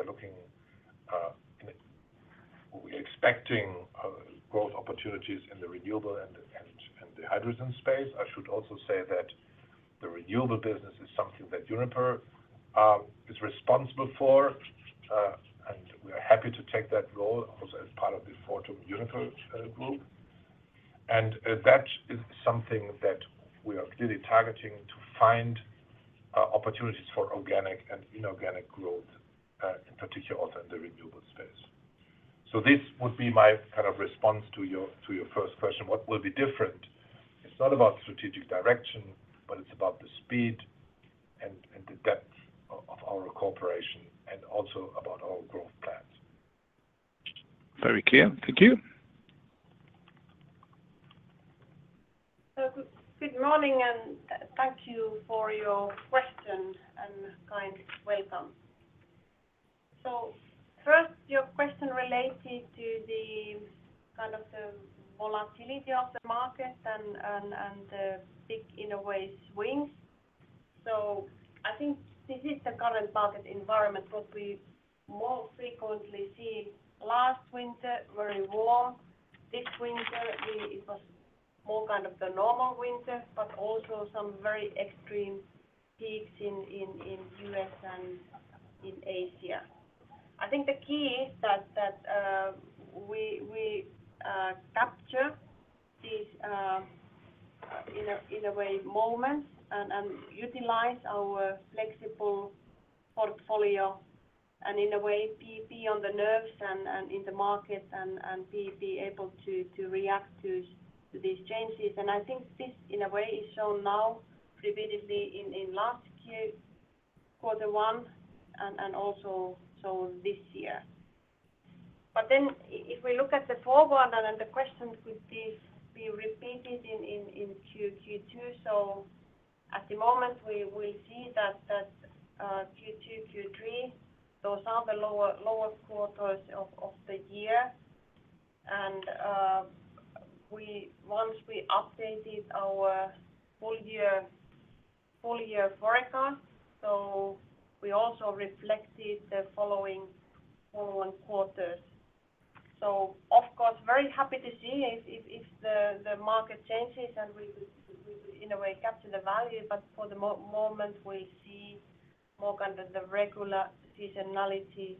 S3: expecting growth opportunities in the renewable and the hydrogen space. I should also say that the renewable business is something that Uniper is responsible for, and we are happy to take that role also as part of the Fortum Uniper group. That is something that we are clearly targeting to find opportunities for organic and inorganic growth, in particular also in the renewable space. This would be my kind of response to your first question: What will be different? It's not about strategic direction, but it's about the speed and the depth of our cooperation and also about our growth plans.
S6: Very clear. Thank you.
S4: Good morning, and thank you for your questions and kind welcome. First, your question is related to the kind of the volatility of the market and the big, in a way, swings. I think this is the current market environment, what we more frequently see. Last winter, very warm. This winter, it was more kind of the normal winter, but also some very extreme peaks in U.S. and in Asia. I think the key is that we capture this in a way, moment, and utilize our flexible portfolio and, in a way, be on the nerves and in the market and be able to react to these changes. I think this, in a way, is shown now, repeatedly in last quarter one, and also this year. If we look at the forward and then the question, could this be repeated in Q2? At the moment, we see that Q2, Q3, those are the lower quarters of the year. Once we updated our full-year forecast, we also reflected the following forward quarters. Of course, very happy to see if the market changes and we could, in a way, capture the value, but for the moment, we see more kind of the regular seasonality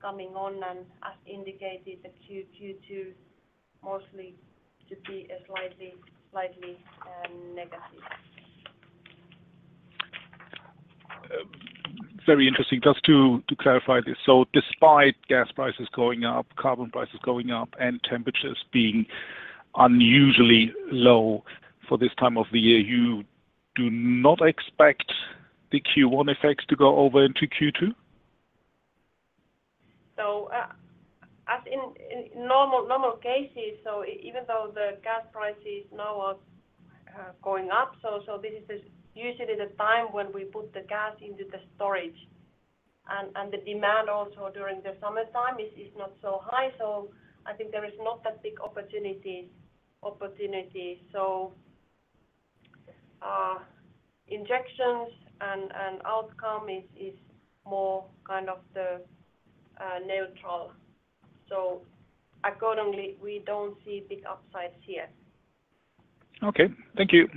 S4: coming on, and as indicated, Q2 mostly to be slightly negative.
S6: Very interesting. Just to clarify this, despite gas prices going up, carbon prices going up, and temperatures being unusually low for this time of the year, you do not expect the Q1 effects to go over into Q2?
S4: As in normal cases, even though the gas prices now are going up, this is usually the time when we put the gas into the storage. The demand also, during the summertime, is not so high. I think there is not that big opportunity. Injections and outcome is more kind of the neutral. Accordingly, we don't see big upsides here.
S6: Okay. Thank you.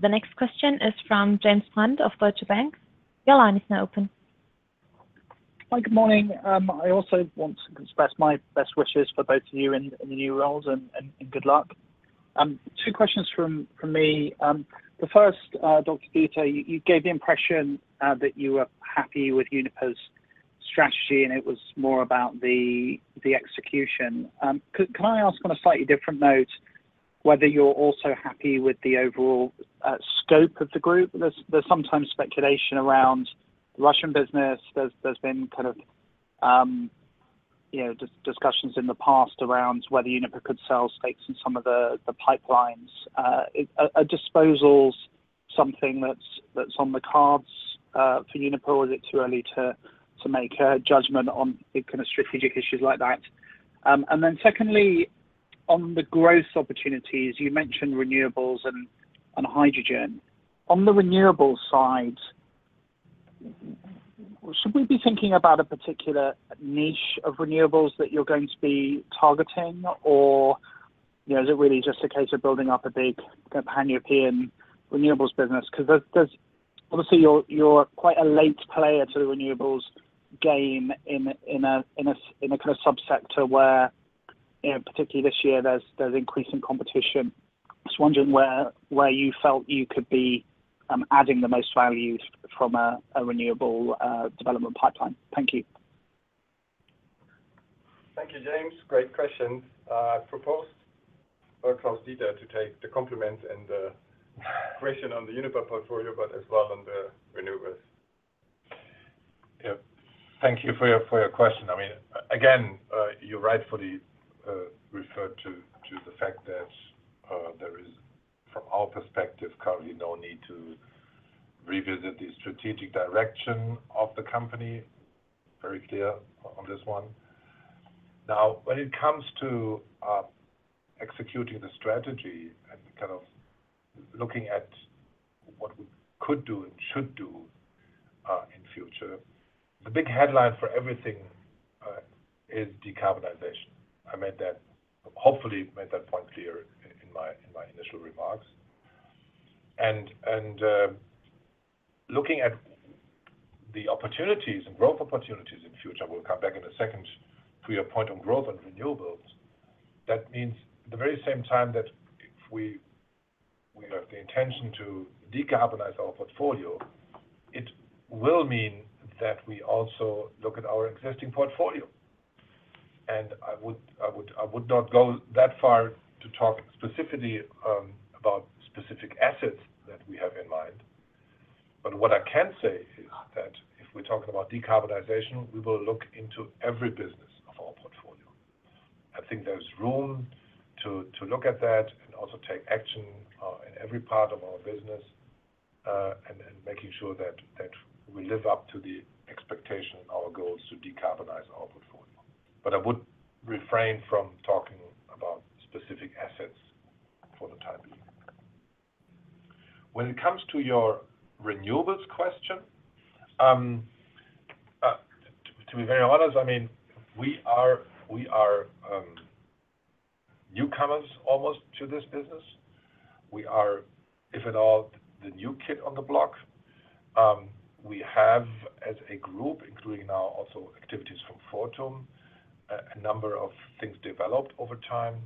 S1: The next question is from James Brand of Deutsche Bank. Your line is now open.
S7: Hi, good morning. I also want to express my best wishes for both of you in the new roles and good luck. Two questions from me. The first, Dr. Maubach, you gave the impression that you were happy with Uniper's strategy, and it was more about the execution. Can I ask, on a slightly different note, whether you're also happy with the overall scope of the group? There's sometimes speculation around Russian business. There's been kind of discussions in the past around whether Uniper could sell stakes in some of the pipelines. Are disposals something that's on the cards for Uniper, or is it too early to make a judgment on big kinds of strategic issues like that? Secondly, on the growth opportunities, you mentioned renewables and hydrogen. On the renewables side, should we be thinking about a particular niche of renewables that you're going to be targeting? Is it really just a case of building up a big pan-European renewables business? Because obviously you're quite a late player to the renewables game in a kind of subsector where, particularly this year, there's increasing competition. Just wondering where you felt you could be adding the most value from a renewable development pipeline. Thank you.
S2: Thank you, James. Great questions. I propose for Klaus-Dieter to take the compliment and the question on the Uniper portfolio, but as well on the renewables.
S3: Thank you for your question. Again, you rightfully referred to the fact that there is, from our perspective currently, no need to revisit the strategic direction of the company. Very clear on this one. Now, when it comes to executing the strategy and kind of looking at what we could do and should do in future, the big headline for everything is decarbonization. I hopefully made that point clear in my initial remarks. Looking at the opportunities and growth opportunities in the future, we'll come back in a second to your point on growth and renewables. That means at the very same time that if we have the intention to decarbonize our portfolio, it will mean that we also look at our existing portfolio. I would not go that far to talk specifically about specific assets that we have in mind. What I can say is that if we're talking about decarbonization, we will look into every business of our portfolio. I think there's room to look at that and also take action in every part of our business, and making sure that we live up to the expectation and our goals to decarbonize our portfolio. I would refrain from talking about specific assets for the time being. When it comes to your renewables question, to be very honest, we are newcomers almost to this business. We are, if at all, the new kids on the block. We have, as a group, including now also activities from Fortum, a number of things developed over time.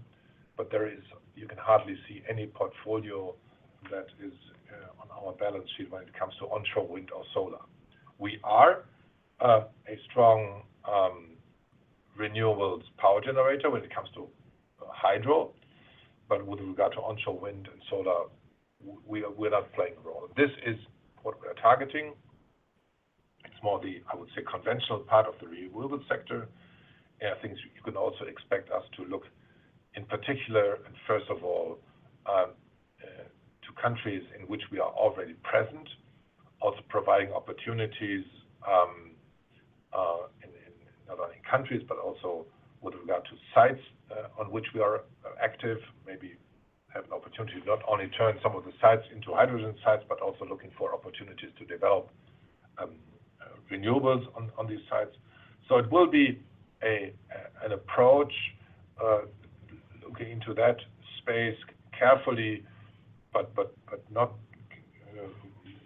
S3: You can hardly see any portfolio that is on our balance sheet when it comes to onshore wind or solar. We are a strong renewable power generator when it comes to hydro. With regard to onshore wind and solar, we're not playing a role. This is what we are targeting. It's more the, I would say, conventional part of the renewable sector. I think you can also expect us to look in particular, and first of all, to countries in which we are already present, also providing opportunities not only in countries but also with regard to sites on which we are active, maybe have an opportunity to not only turn some of the sites into hydrogen sites but also looking for opportunities to develop renewables on these sites. It will be an approach, looking into that space carefully but not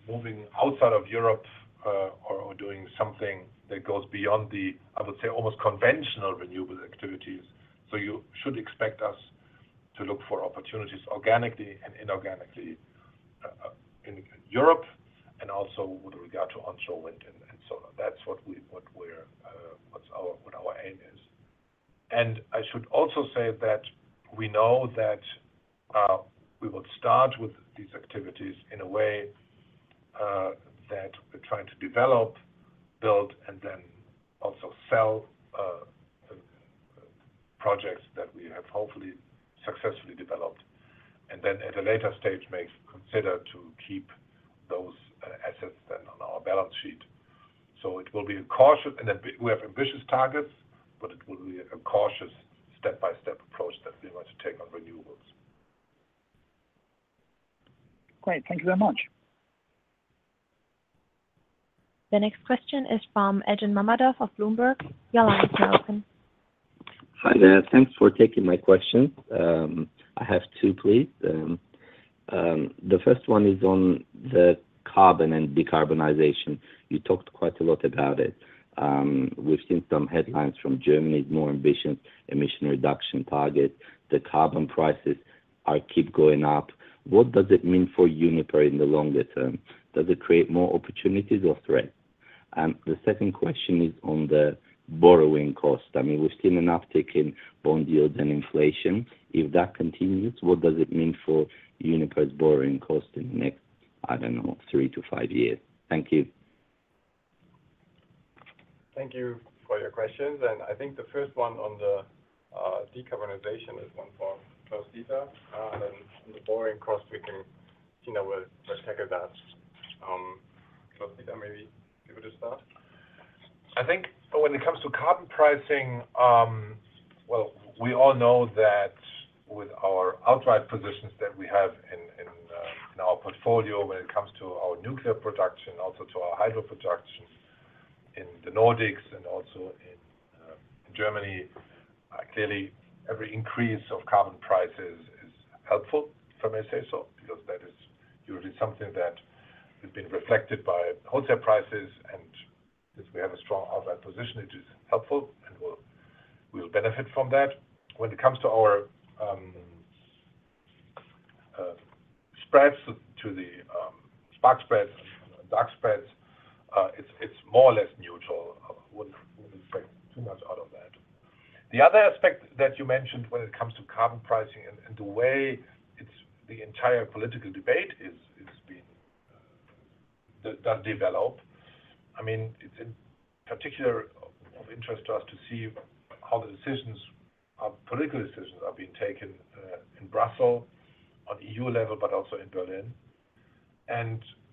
S3: moving outside of Europe or doing something that goes beyond the, I would say, almost conventional renewable activities. You should expect us to look for opportunities organically and inorganically in Europe and also with regard to onshore wind and solar. That's what our aim is. I should also say that we know that we will start with these activities in a way that we're trying to develop, build, and then also sell projects that we have hopefully successfully developed and then at a later stage may consider to keep those assets then on our balance sheet. We have ambitious targets; it will be a cautious step-by-step approach that we want to take on renewables.
S7: Great. Thank you very much.
S1: The next question is from Elchin Mammadov of Bloomberg. Your line is now open.
S8: Hi there. Thanks for taking my question. I have two, please. The first one is on the carbon and decarbonization. You talked quite a lot about it. We've seen some headlines from Germany's more ambitious emission reduction target. The carbon prices keep going up. What does it mean for Uniper in the longer term? Does it create more opportunities or threats? The second question is on the borrowing cost. We've seen an uptick in bond yields and inflation. If that continues, what does it mean for Uniper's borrowing cost in the next, I don't know, three to five years? Thank you.
S2: Thank you for your questions. I think the first one on the decarbonization is one for Klaus-Dieter, and on the borrowing cost, Tiina will tackle that. Klaus-Dieter, maybe give it a start.
S3: I think when it comes to carbon pricing, well, we all know that with our outright positions that we have in our portfolio when it comes to our nuclear production, also to our hydro production in the Nordics and also in Germany, clearly every increase of carbon prices is helpful, if I may say so, because that is usually something that has been reflected by wholesale prices, and since we have a strong outright position, it is helpful, and we'll benefit from that. When it comes to our spreads to the spark spreads and dark spreads, it's more or less neutral. I wouldn't make too much out of that. The other aspect that you mentioned when it comes to carbon pricing and the way the entire political debate that developed, it's in particular of interest to us to see how the political decisions are being taken in Brussels on EU level, but also in Berlin.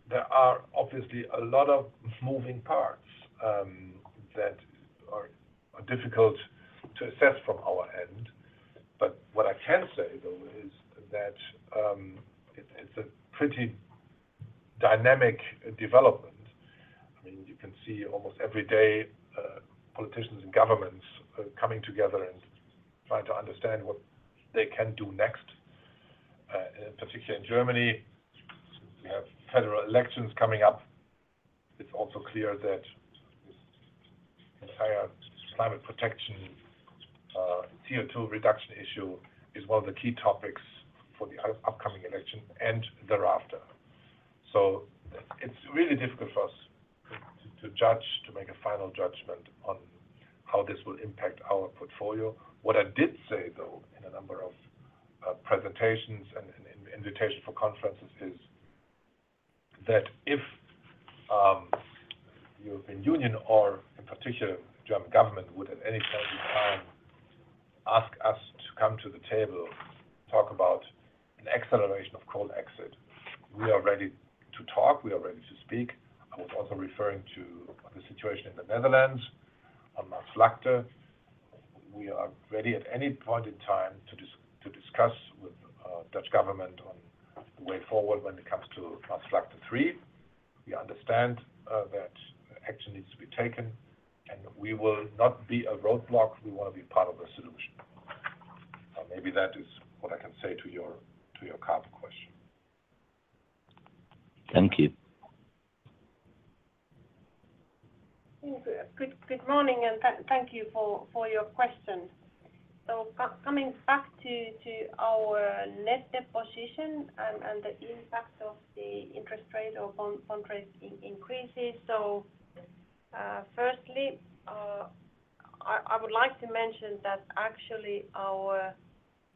S3: There are obviously a lot of moving parts that are difficult to assess from our end. What I can say, though, is that it's a pretty dynamic development. You can see almost every day, politicians and governments are coming together and trying to understand what they can do next, particularly in Germany, since we have federal elections coming up. It's also clear that this entire climate protection, CO₂ reduction issue is one of the key topics for the upcoming election and thereafter. It's really difficult for us to judge to make a final judgment on how this will impact our portfolio. What I did say, though, in a number of presentations and invitations for conferences is that if European Union or in particular German government would at any point in time ask us to come to the table, talk about an acceleration of coal exit, we are ready to talk; we are ready to speak. I was also referring to the situation in the Netherlands on Maasvlakte. We are ready at any point in time to discuss with the Dutch government on the way forward when it comes to Maasvlakte 3. We understand that action needs to be taken, and we will not be a roadblock. We want to be part of the solution. Maybe that is what I can say to your carbon question.
S8: Thank you.
S4: Good morning. Thank you for your question. Coming back to our net debt position and the impact of the interest rate or bond price increases. Firstly, I would like to mention that actually our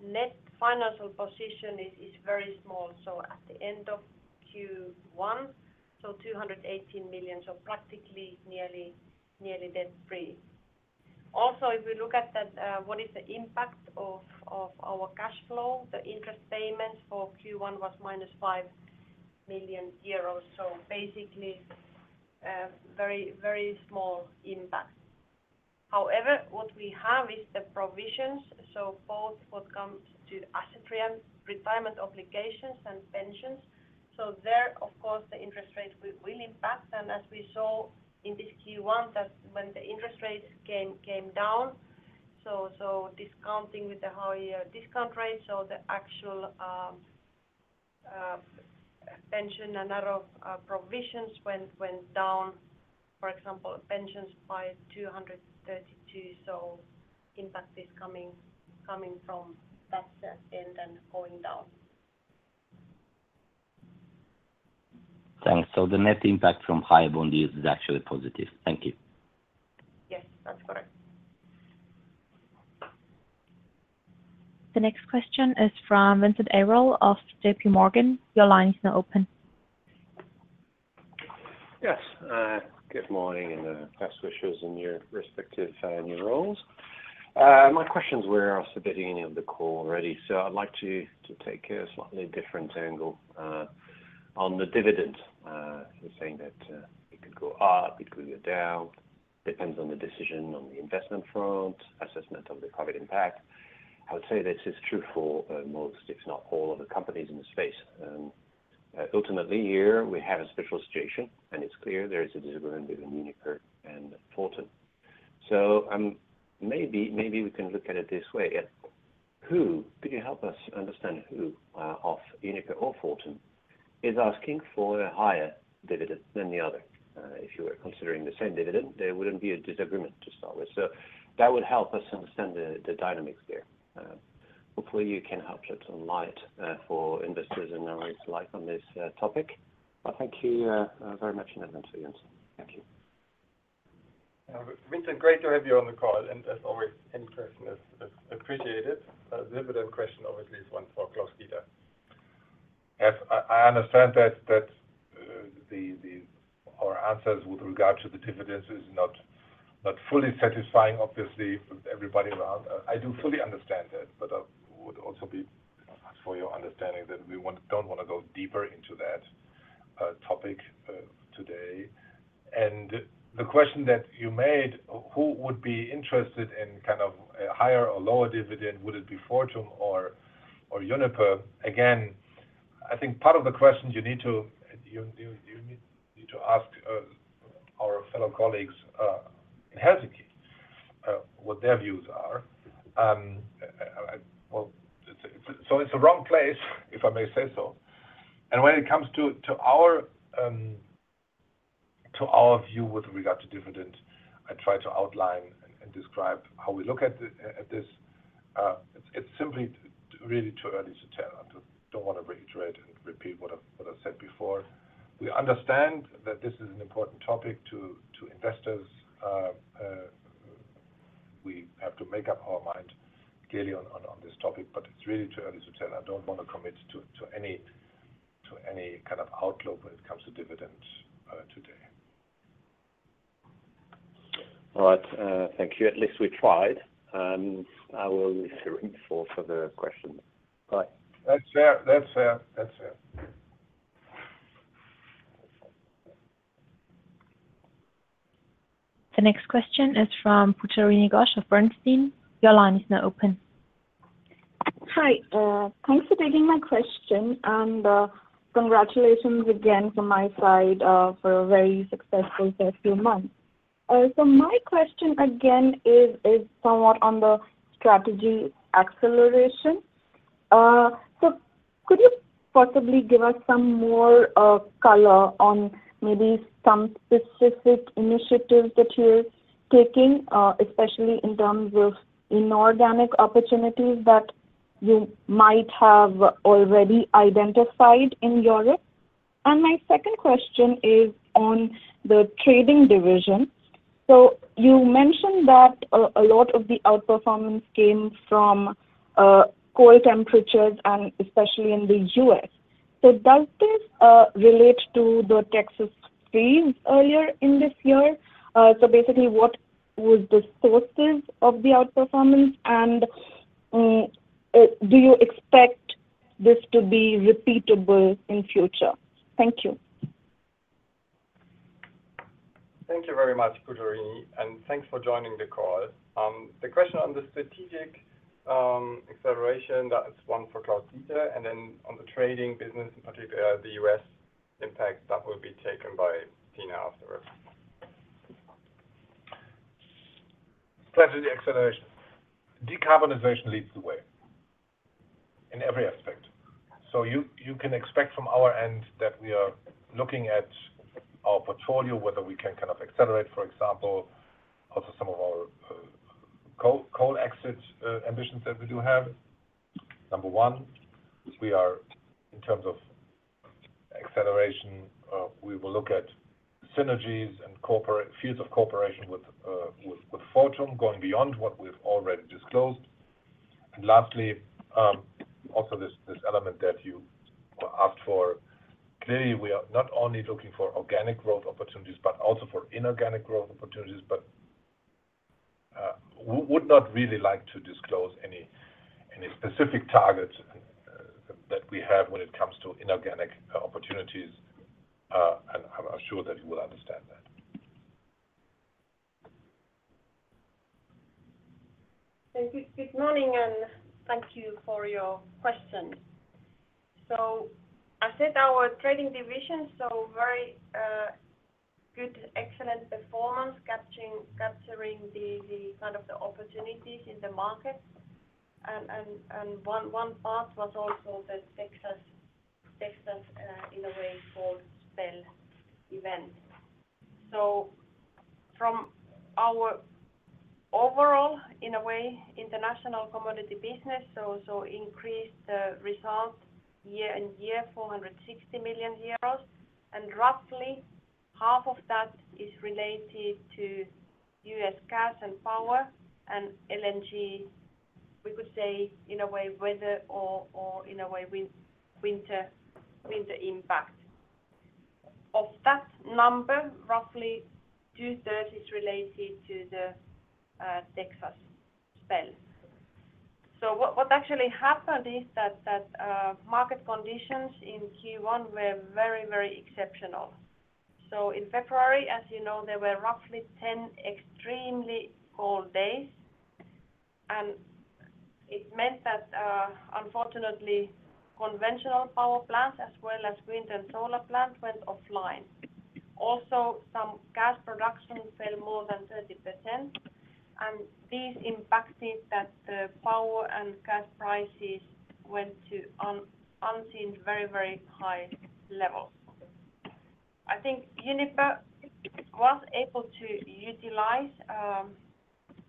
S4: net financial position is very small. At the end of Q1, so 218 million, so practically nearly debt-free. If we look at what is the impact of our cash flow, the interest payment for Q1 was minus 5 million euros. Basically, very small impact. However, what we have is the provisions, so both what comes to asset retirement obligations and pensions. There, of course, the interest rates will impact, and as we saw in this Q1, that when the interest rates came down, so discounting with the higher discount rate, so the actual pension and other provisions went down, for example, pensions by 232 Impact is coming from that sense and going down.
S8: Thanks. The net impact from higher bond yields is actually positive. Thank you.
S4: Yes, that's correct.
S1: The next question is from Vincent Ayral of JP Morgan. Your line is now open.
S9: Good morning. Best wishes in your respective new roles. My questions were asked at the beginning of the call already. I'd like to take a slightly different angle on the dividend. You're saying that it could go up, it could go down, depends on the decision on the investment front, assessment of the COVID impact. I would say this is true for most, if not all, of the companies in the space. Ultimately, here we have a special situation. It's clear there is a disagreement between Uniper and Fortum. Maybe we can look at it this way. Could you help us understand who of Uniper or Fortum is asking for a higher dividend than the other? If you were considering the same dividend, there wouldn't be a disagreement to start with. That would help us understand the dynamics there. Hopefully, you can help shed some light for investors and analysts alike on this topic. Thank you very much in advance for the answer. Thank you.
S3: Vincent, great to have you on the call, as always. In person is appreciated. The dividend question obviously is one for Klaus-Dieter. Yes. I understand that our answers with regard to the dividends is not fully satisfying, obviously, for everybody around. I do fully understand that, but I would also ask for your understanding that we don't want to go deeper into that topic today. The question that you made, who would be interested in a higher or lower dividend, would it be Fortum or Uniper? Again, I think part of the question you need to ask our fellow colleagues in Helsinki what their views are. It's the wrong place, if I may say so. When it comes to our view with regard to dividends, I try to outline and describe how we look at this. It's simply really too early to tell. I don't want to reiterate and repeat what I've said before. We understand that this is an important topic to investors. We have to make up our minds clearly on this topic, but it's really too early to tell. I don't want to commit to any kind of outlook when it comes to dividends today.
S9: All right. Thank you. At least we tried. I will listen for further questions. Bye.
S3: That's it.
S1: The next question is from Pujarini Ghosh of Bernstein. Your line is now open.
S10: Hi. Thanks for taking my question, and congratulations again from my side for a very successful first few months. My question again is somewhat on the strategy acceleration. Could you possibly give us some more color on maybe some specific initiatives that you're taking, especially in terms of inorganic opportunities that you might have already identified in Europe? My second question is on the trading division. You mentioned that a lot of the outperformance came from cold temperatures, and especially in the U.S. Does this relate to the Texas freeze earlier in this year? Basically, what was the sources of the outperformance, and do you expect this to be repeatable in future? Thank you.
S2: Thank you very much, Pujarini, and thanks for joining the call. The question on the strategic acceleration, that is one for Klaus-Dieter, and then on the trading business, in particular the U.S. impact, that will be taken by Tiina afterwards.
S3: Pleasure. The acceleration. Decarbonization leads the way in every aspect. You can expect from our end that we are looking at our portfolio, whether we can kind of accelerate, for example, also some of our coal-exit ambitions that we do have. Number one, which we are in terms of acceleration, we will look at synergies and fields of cooperation with Fortum going beyond what we've already disclosed. Lastly, also this element that you asked for. Clearly, we are not only looking for organic growth opportunities but also for inorganic growth opportunities, but we would not really like to disclose any specific targets that we have when it comes to inorganic opportunities. I'm sure that you will understand that.
S4: Thank you. Good morning, and thank you for your question. I said our trading division, very good, with excellent performance, capturing the kind of the opportunities in the market. One part was also the Texas cold spell event. From our overall international commodity business, increased the result year-on -year, 460 million euros. Roughly half of that is related to U.S. gas and power and LNG, weather or winter impact. Of that number, roughly two-thirds is related to the Texas spell. What actually happened is that market conditions in Q1 were very exceptional. In February, there were roughly 10 extremely cold days, and it meant that, unfortunately, conventional power plants, as well as wind and solar plants, went offline. Some gas production fell more than 30%, and this impacted that the power and gas prices went to unseen, very high levels. I think Uniper was able to utilize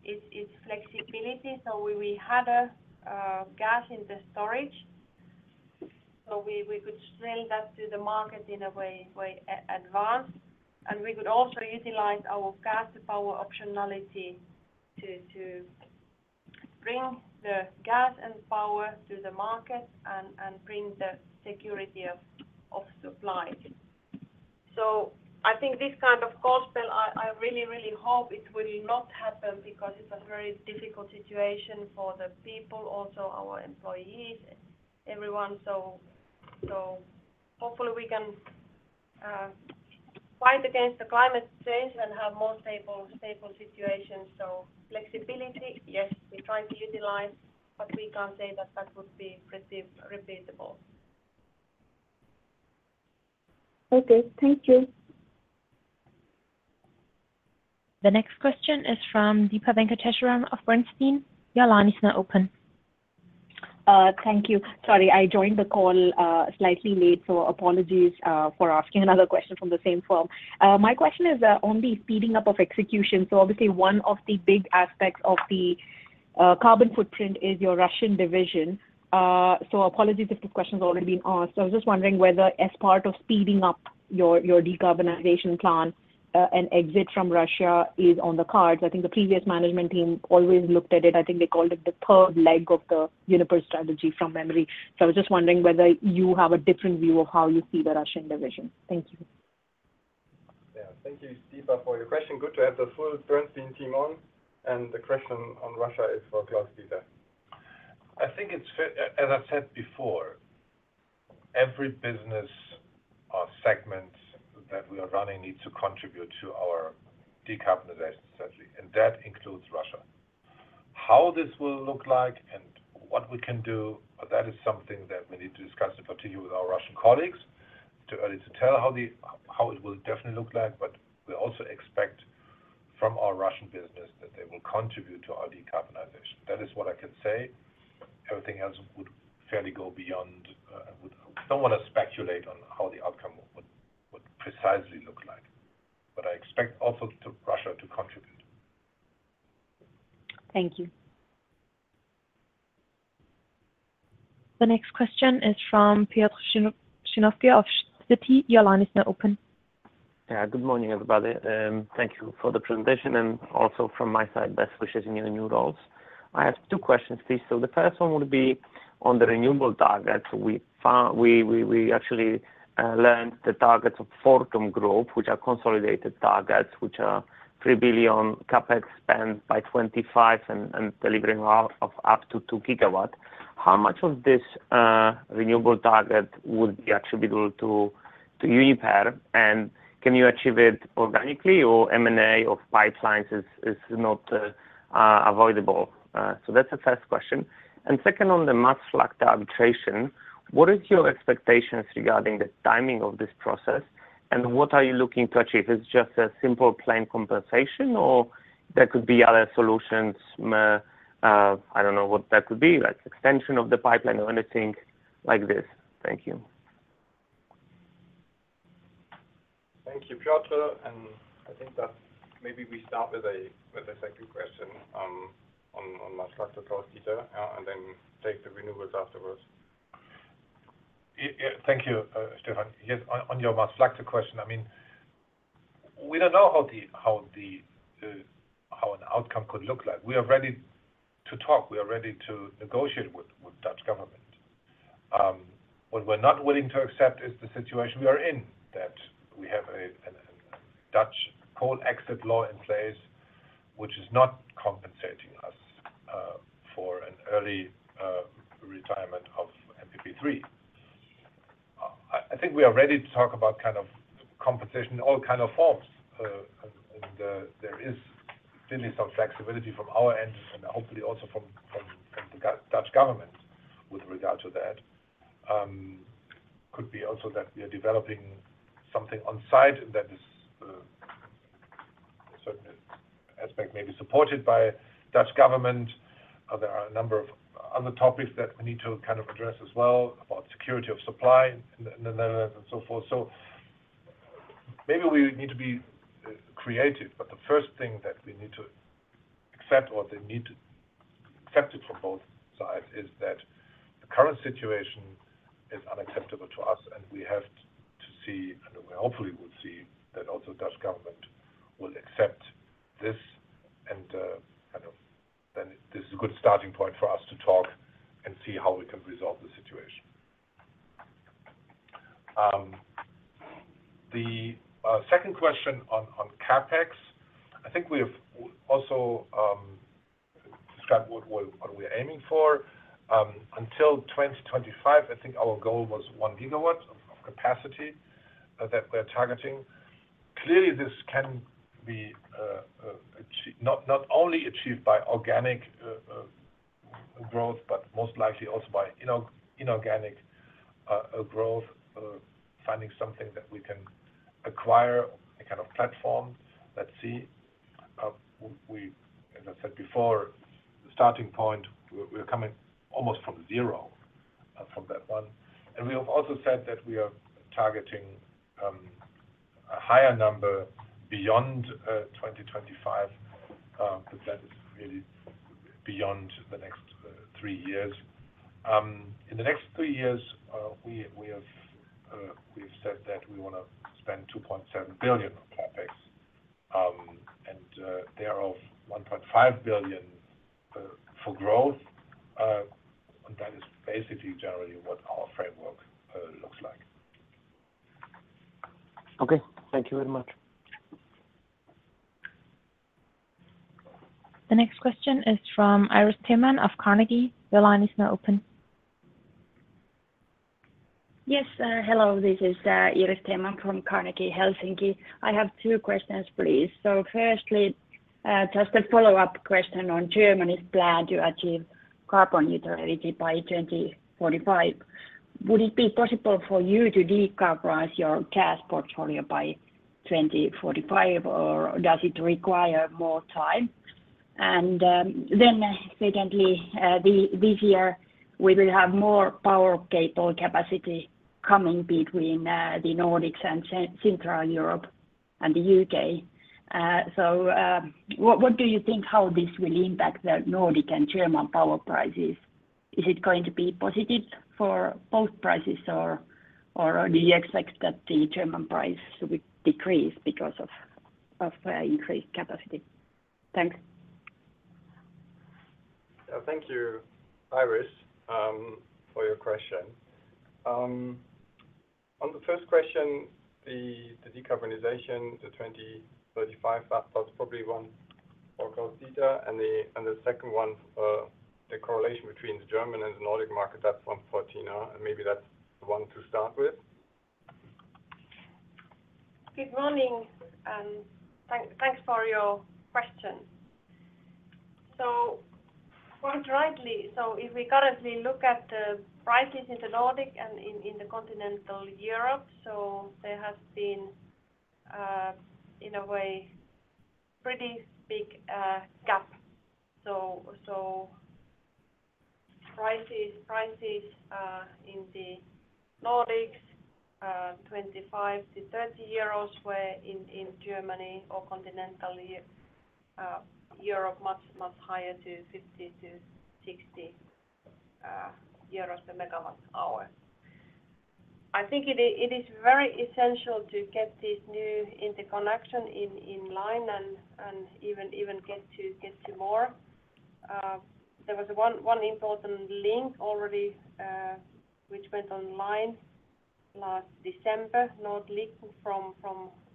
S4: its flexibility, so we had a gas in the storage, so we could sell that to the market in a way, advance. We could also utilize our gas to power optionality to bring the gas and power to the market and bring the security of supply. I think this kind of cold spell—I really hope it will not happen because it's a very difficult situation for the people, also our employees, everyone. Hopefully we can fight against the climate change and have more stable situations. Flexibility, yes, we try to utilize, but we can't say that that would be repeatable.
S10: Okay. Thank you.
S1: The next question is from Deepa Venkateswaran of Bernstein. Your line is now open.
S11: Thank you. Sorry, I joined the call slightly late, so apologies for asking another question from the same firm. My question is on the speeding up of execution. Obviously one of the big aspects of the carbon footprint is your Russian division. Apologies if this question's already been asked. I was just wondering whether as part of speeding up your decarbonization plan, an exit from Russia is on the cards. I think the previous management team always looked at it. I think they called it the third leg of the Uniper strategy from memory. I was just wondering whether you have a different view of how you see the Russian division. Thank you.
S2: Thank you, Deepa, for your question. Good to have the full Bernstein team on. The question on Russia is for Klaus-Dieter.
S3: As I've said before, every business or segment that we are running needs to contribute to our decarbonization strategy, and that includes Russia. How this will look like and what we can do, that is something that we need to discuss in particular with our Russian colleagues. Too early to tell how it will definitely look like, but we also expect from our Russian business that they will contribute to our decarbonization. That is what I can say. Everything else would fairly go beyond. I don't want to speculate on how the outcome would precisely look like, but I expect also Russia to contribute.
S11: Thank you.
S1: The next question is from Piotr Dzięciołowski of Citi. Your line is now open.
S12: Good morning, everybody. Thank you for the presentation, and also from my side, best wishes in your new roles. I have two questions, please. The first one would be on the renewable targets. We actually learned the targets of Fortum Group, which are consolidated targets, which are 3 billion CapEx spend by 2025 and delivering of up to 2 GW. How much of this renewable target would be attributable to Uniper? Can you achieve it organically or M&A of pipelines is not avoidable? That's the first question. Second, on the Maasvlakte arbitration, what is your expectations regarding the timing of this process, and what are you looking to achieve? Is it just a simple plan compensation, or there could be other solutions? I don't know what that could be, like extension of the pipeline or anything like this. Thank you.
S2: Thank you, Piotr. I think that maybe we start with the second question on Maasvlakte first, Klaus-Dieter Maubach, and then take the renewables afterwards.
S3: Thank you, Stefan. Yes. On your Maasvlakte question, we don't know how an outcome could look like. We are ready to talk. We are ready to negotiate with Dutch government. What we're not willing to accept is the situation we are in, that we have a Dutch Coal Exit Law in place, which is not compensating us for an early retirement of MPP3. I think we are ready to talk about compensation in all kinds of forms. There is certainly some flexibility from our end and hopefully also from the Dutch government with regard to that. Could be also that we are developing something on site that is a certain aspect that may be supported by the Dutch government. There are a number of other topics that we need to address as well about security of supply in the Netherlands and so forth. Maybe we need to be creative, but the first thing that we need to accept or they need to accept it from both sides, is that the current situation is unacceptable to us, and we have to see, and we hopefully will see, that also Dutch government will accept this. This is a good starting point for us to talk and see how we can resolve the situation. The second question on CapEx, I think we have also described what we are aiming for. Until 2025, I think our goal was one gigawatt of capacity that we are targeting. Clearly, this can be not only achieved by organic growth but most likely also by inorganic growth, finding something that we can acquire, a kind of platform. Let's see. As I said before, the starting point, we are coming almost from zero from that one. We have also said that we are targeting a higher number beyond 2025, but that is really beyond the next three years. In the next three years, we have said that we want to spend 2.7 billion on CapEx, and thereof 1.5 billion for growth. That is basically generally what our framework looks like.
S12: Okay. Thank you very much.
S1: The next question is from Iiris Theman of Carnegie. Your line is now open.
S13: Yes. Hello. This is Iiris Theman from Carnegie, Helsinki. I have two questions, please. Firstly, just a follow-up question on Germany's plan to achieve carbon neutrality by 2045. Would it be possible for you to decarbonize your gas portfolio by 2045, or does it require more time? Secondly, this year, we will have more power cable capacity coming between the Nordics and Central Europe and the U.K. What do you think how this will impact the Nordic and German power prices? Is it going to be positive for both prices, or do you expect that the German price will decrease because of increased capacity? Thanks.
S2: Thank you, Iiris, for your question. On the first question, the decarbonization to 2035, that's probably one for Dieter. The second one, the correlation between the German and the Nordic markets, that's one for Tiina. Maybe that's the one to start with.
S4: Good morning. Thanks for your question. Quite rightly, if we currently look at the prices in the Nordics and in the continental Europe, there has been, in a way, pretty big gap. Prices in the Nordics are 25-30 euros, whereas in Germany or continental Europe, much, much higher to 50-60 euros per megawatt hour. I think it is very essential to get this new interconnection in line and even get to more. There was one important link already, which went online last December, NordLink, from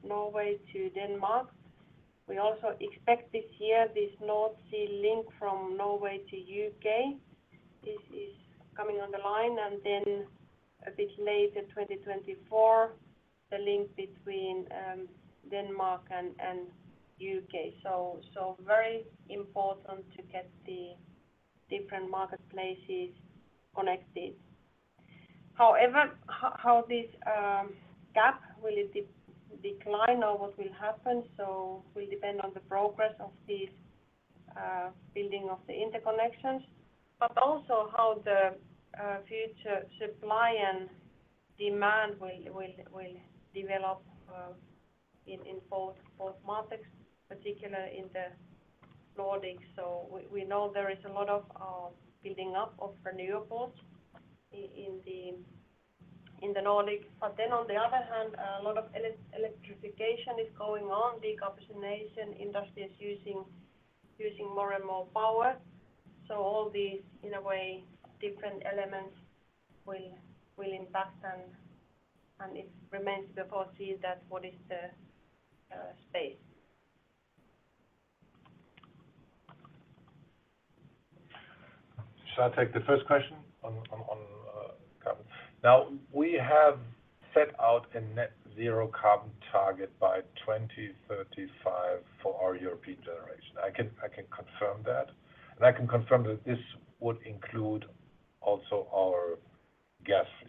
S4: Norway to Denmark. We also expect this year, this North Sea Link from Norway to U.K. This is coming on the line, then a bit later, 2024, the link between Denmark and U.K. Very important to get the different marketplaces connected. How this gap will decline or what will happen will depend on the progress of this building of the interconnections, but also how the future supply and demand will develop in both markets, particularly in the Nordics. We know there is a lot of building up of renewables in the Nordics. On the other hand, a lot of electrification is going on, decarbonization, industries using more and more power. All these, in a way, different elements will impact and it remains to be foreseen that what is the space.
S3: Shall I take the first question on carbon? Now, we have set out a net zero carbon target by 2035 for our European generation. I can confirm that, and I can confirm that this would include also our gas fleet.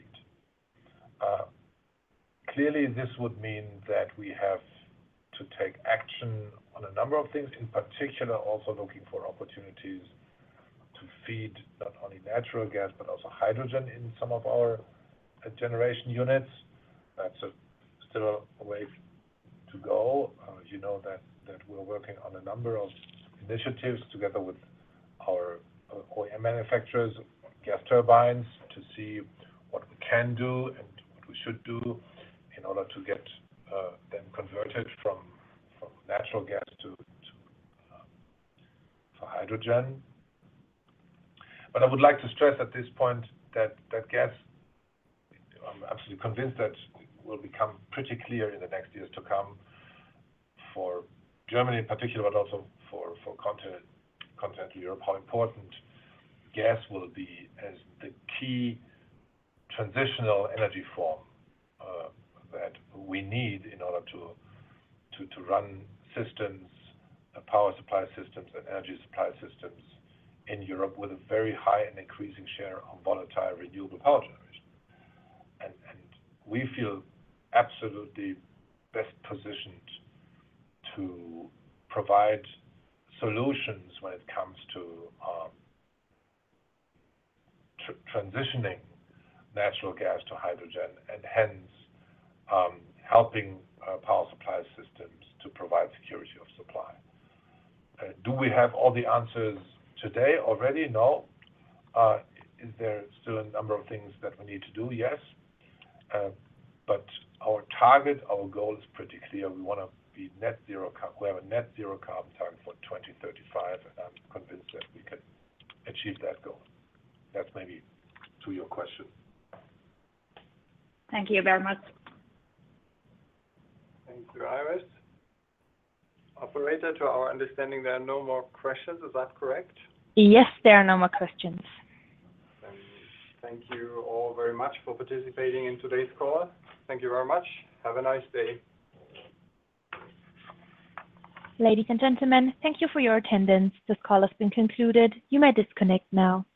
S3: Clearly, this would mean that we have to take action on a number of things, in particular, also looking for opportunities to feed not only natural gas but also hydrogen in some of our generation units. That's still a way to go. You know that we're working on a number of initiatives together with our OEM manufacturers of gas turbines to see what we can do and what we should do in order to get them converted from natural gas to hydrogen. I would like to stress at this point that gas, I'm absolutely convinced that will become pretty clear in the next years to come for Germany in particular, but also for Continental Europe, how important gas will be as the key transitional energy form that we need in order to run systems, power supply systems, and energy supply systems in Europe with a very high and increasing share of volatile renewable power generation. We feel absolutely best positioned to provide solutions when it comes to transitioning natural gas to hydrogen and, hence, helping power supply systems to provide security of supply. Do we have all the answers today already? No. Is there still a number of things that we need to do? Yes. Our target, our goal, is pretty clear. We want to have a net zero carbon target for 2035, and I'm convinced that we can achieve that goal. That's maybe to your question.
S13: Thank you very much.
S3: Thank you, Iiris. Operator, to our understanding, there are no more questions. Is that correct?
S1: Yes, there are no more questions.
S3: Thank you all very much for participating in today's call. Thank you very much. Have a nice day.
S1: Ladies and gentlemen, thank you for your attendance. This call has been concluded. You may disconnect now.